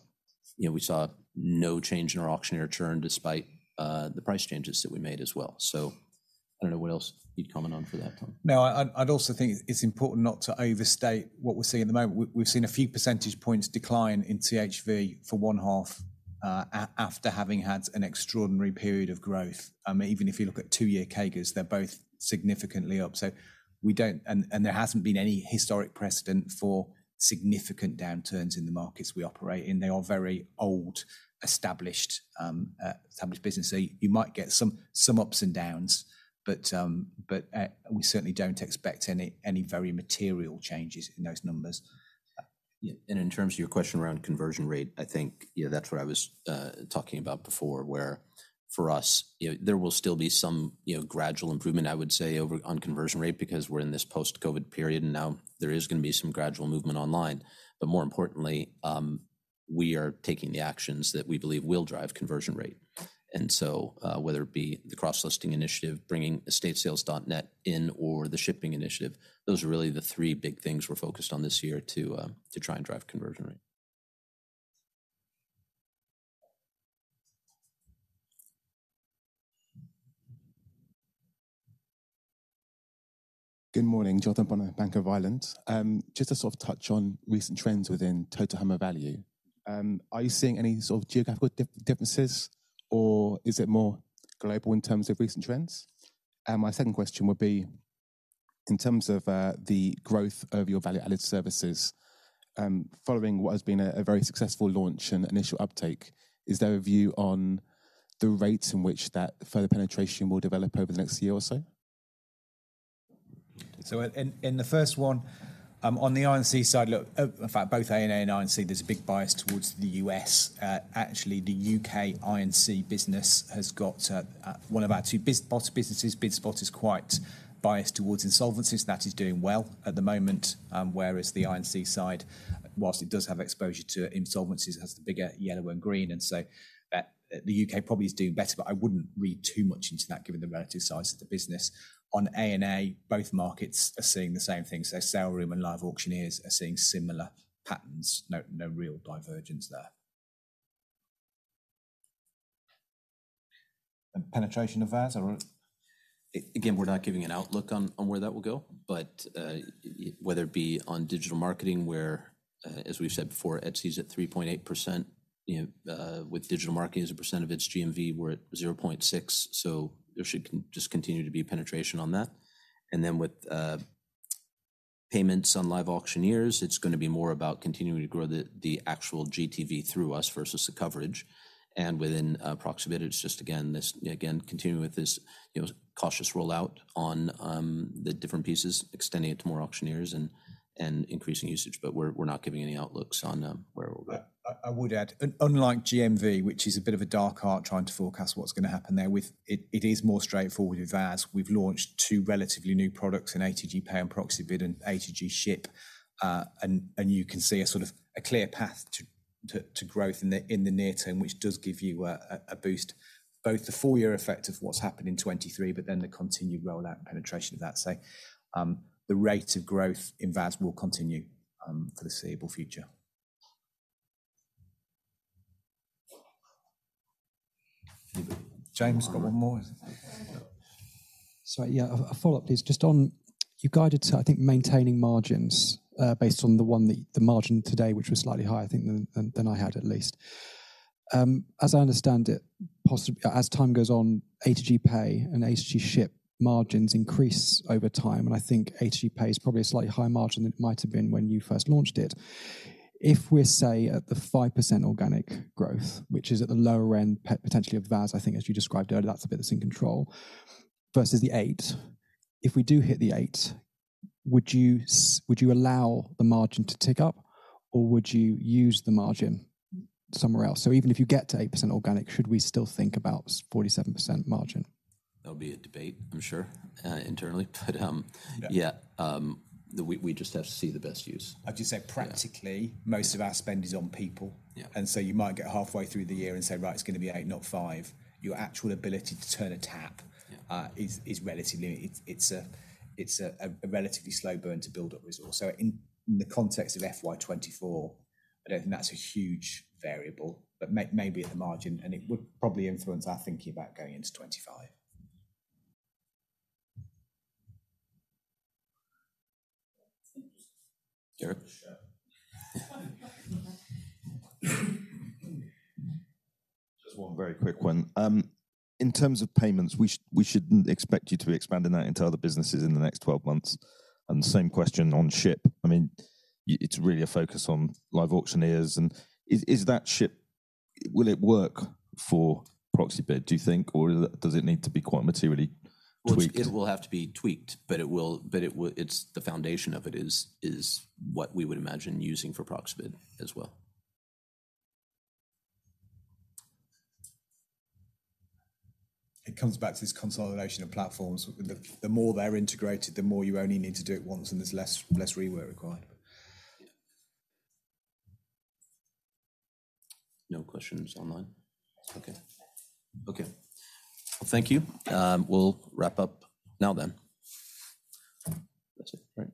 you know, we saw no change in our auctioneer churn, despite the price changes that we made as well. So I don't know what else you'd comment on for that, Tom. No, I'd also think it's important not to overstate what we're seeing at the moment. We've seen a few percentage points decline in THV for one half, after having had an extraordinary period of growth. Even if you look at 2-year CAGRs, they're both significantly up. So we don't. And there hasn't been any historic precedent for significant downturns in the markets we operate in. They are very old, established businesses. So you might get some ups and downs, but we certainly don't expect any very material changes in those numbers. Yeah, and in terms of your question around conversion rate, I think, you know, that's what I was talking about before, where for us, you know, there will still be some, you know, gradual improvement, I would say, over on conversion rate, because we're in this post-COVID period, and now there is going to be some gradual movement online. But more importantly, we are taking the actions that we believe will drive conversion rate. And so, whether it be the cross-listing initiative, bringing EstateSales.NET in, or the shipping initiative, those are really the three big things we're focused on this year to try and drive conversion rate. Good morning, Jonathan from Bank of Ireland. Just to sort of touch on recent trends within total hammer value, are you seeing any sort of geographical differences, or is it more global in terms of recent trends? And my second question would be, in terms of the growth of your value-added services, following what has been a very successful launch and initial uptake, is there a view on the rates in which that further penetration will develop over the next year or so? So in the first one, on the I&C side, look, in fact, both A&A and I&C, there's a big bias towards the U.S. Actually, the U.K. I&C business has got one of our two B2B businesses. BidSpotter is quite biased towards insolvencies. That is doing well at the moment, whereas the I&C side, while it does have exposure to insolvencies, it has the bigger yellow and green, and so the U.K. probably is doing better, but I wouldn't read too much into that, given the relative size of the business. On A&A, both markets are seeing the same thing, so the-saleroom and LiveAuctioneers are seeing similar patterns. No real divergence there. And penetration of VAS or...? Again, we're not giving an outlook on where that will go. But whether it be on digital marketing, where, as we've said before, Etsy is at 3.8%, you know, with digital marketing as a percent of its GMV, we're at 0.6. So there should continue to be penetration on that. And then with payments on LiveAuctioneers, it's going to be more about continuing to grow the actual GTV through us versus the coverage. And within Proxibid, it's just again continuing with this, you know, cautious rollout on the different pieces, extending it to more auctioneers and increasing usage, but we're not giving any outlooks on where we're at. I would add, unlike GMV, which is a bit of a dark art trying to forecast what's going to happen there, with it is more straightforward with VAS. We've launched two relatively new products in ATG Pay and Proxibid and ATG Ship. And you can see a sort of a clear path to growth in the near term, which does give you a boost, both the full year effect of what's happened in 2023, but then the continued rollout and penetration of that. So, the rate of growth in VAS will continue for the foreseeable future. James, got one more? Sorry, yeah, a follow-up, please. Just on, you guided to, I think, maintaining margins based on the one that—the margin today, which was slightly higher, I think, than I had at least. As I understand it, possibly, as time goes on, ATG Pay and ATG Ship margins increase over time, and I think ATG Pay is probably a slightly higher margin than it might have been when you first launched it. If we're, say, at the 5% organic growth, which is at the lower end, potentially of VAS, I think, as you described earlier, that's a bit that's in control, versus the 8. If we do hit the 8, would you allow the margin to tick up, or would you use the margin somewhere else? So even if you get to 8% organic, should we still think about 47% margin? That'll be a debate, I'm sure, internally, but. Yeah.... yeah, we just have to see the best use. I'd just say, practically- Yeah... most of our spend is on people. Yeah. And so you might get halfway through the year and say, "Right, it's going to be 8, not 5." Your actual ability to turn a tap- Yeah... is relatively, it's a relatively slow burn to build up resource. So in the context of FY 2024, I don't think that's a huge variable, but maybe at the margin, and it would probably influence our thinking about going into 2025. Jared? Just one very quick one. In terms of payments, we shouldn't expect you to be expanding that into other businesses in the next 12 months? And the same question on Ship. I mean, it's really a focus on LiveAuctioneers. And is that Ship, will it work for Proxibid, do you think, or does it need to be quite materially tweaked? Well, it will have to be tweaked, but it will... It's the foundation of it is what we would imagine using for Proxibid as well. It comes back to this consolidation of platforms. The more they're integrated, the more you only need to do it once, and there's less rework required. Yeah. No questions online? Okay. Okay. Well, thank you. We'll wrap up now then. That's it, right?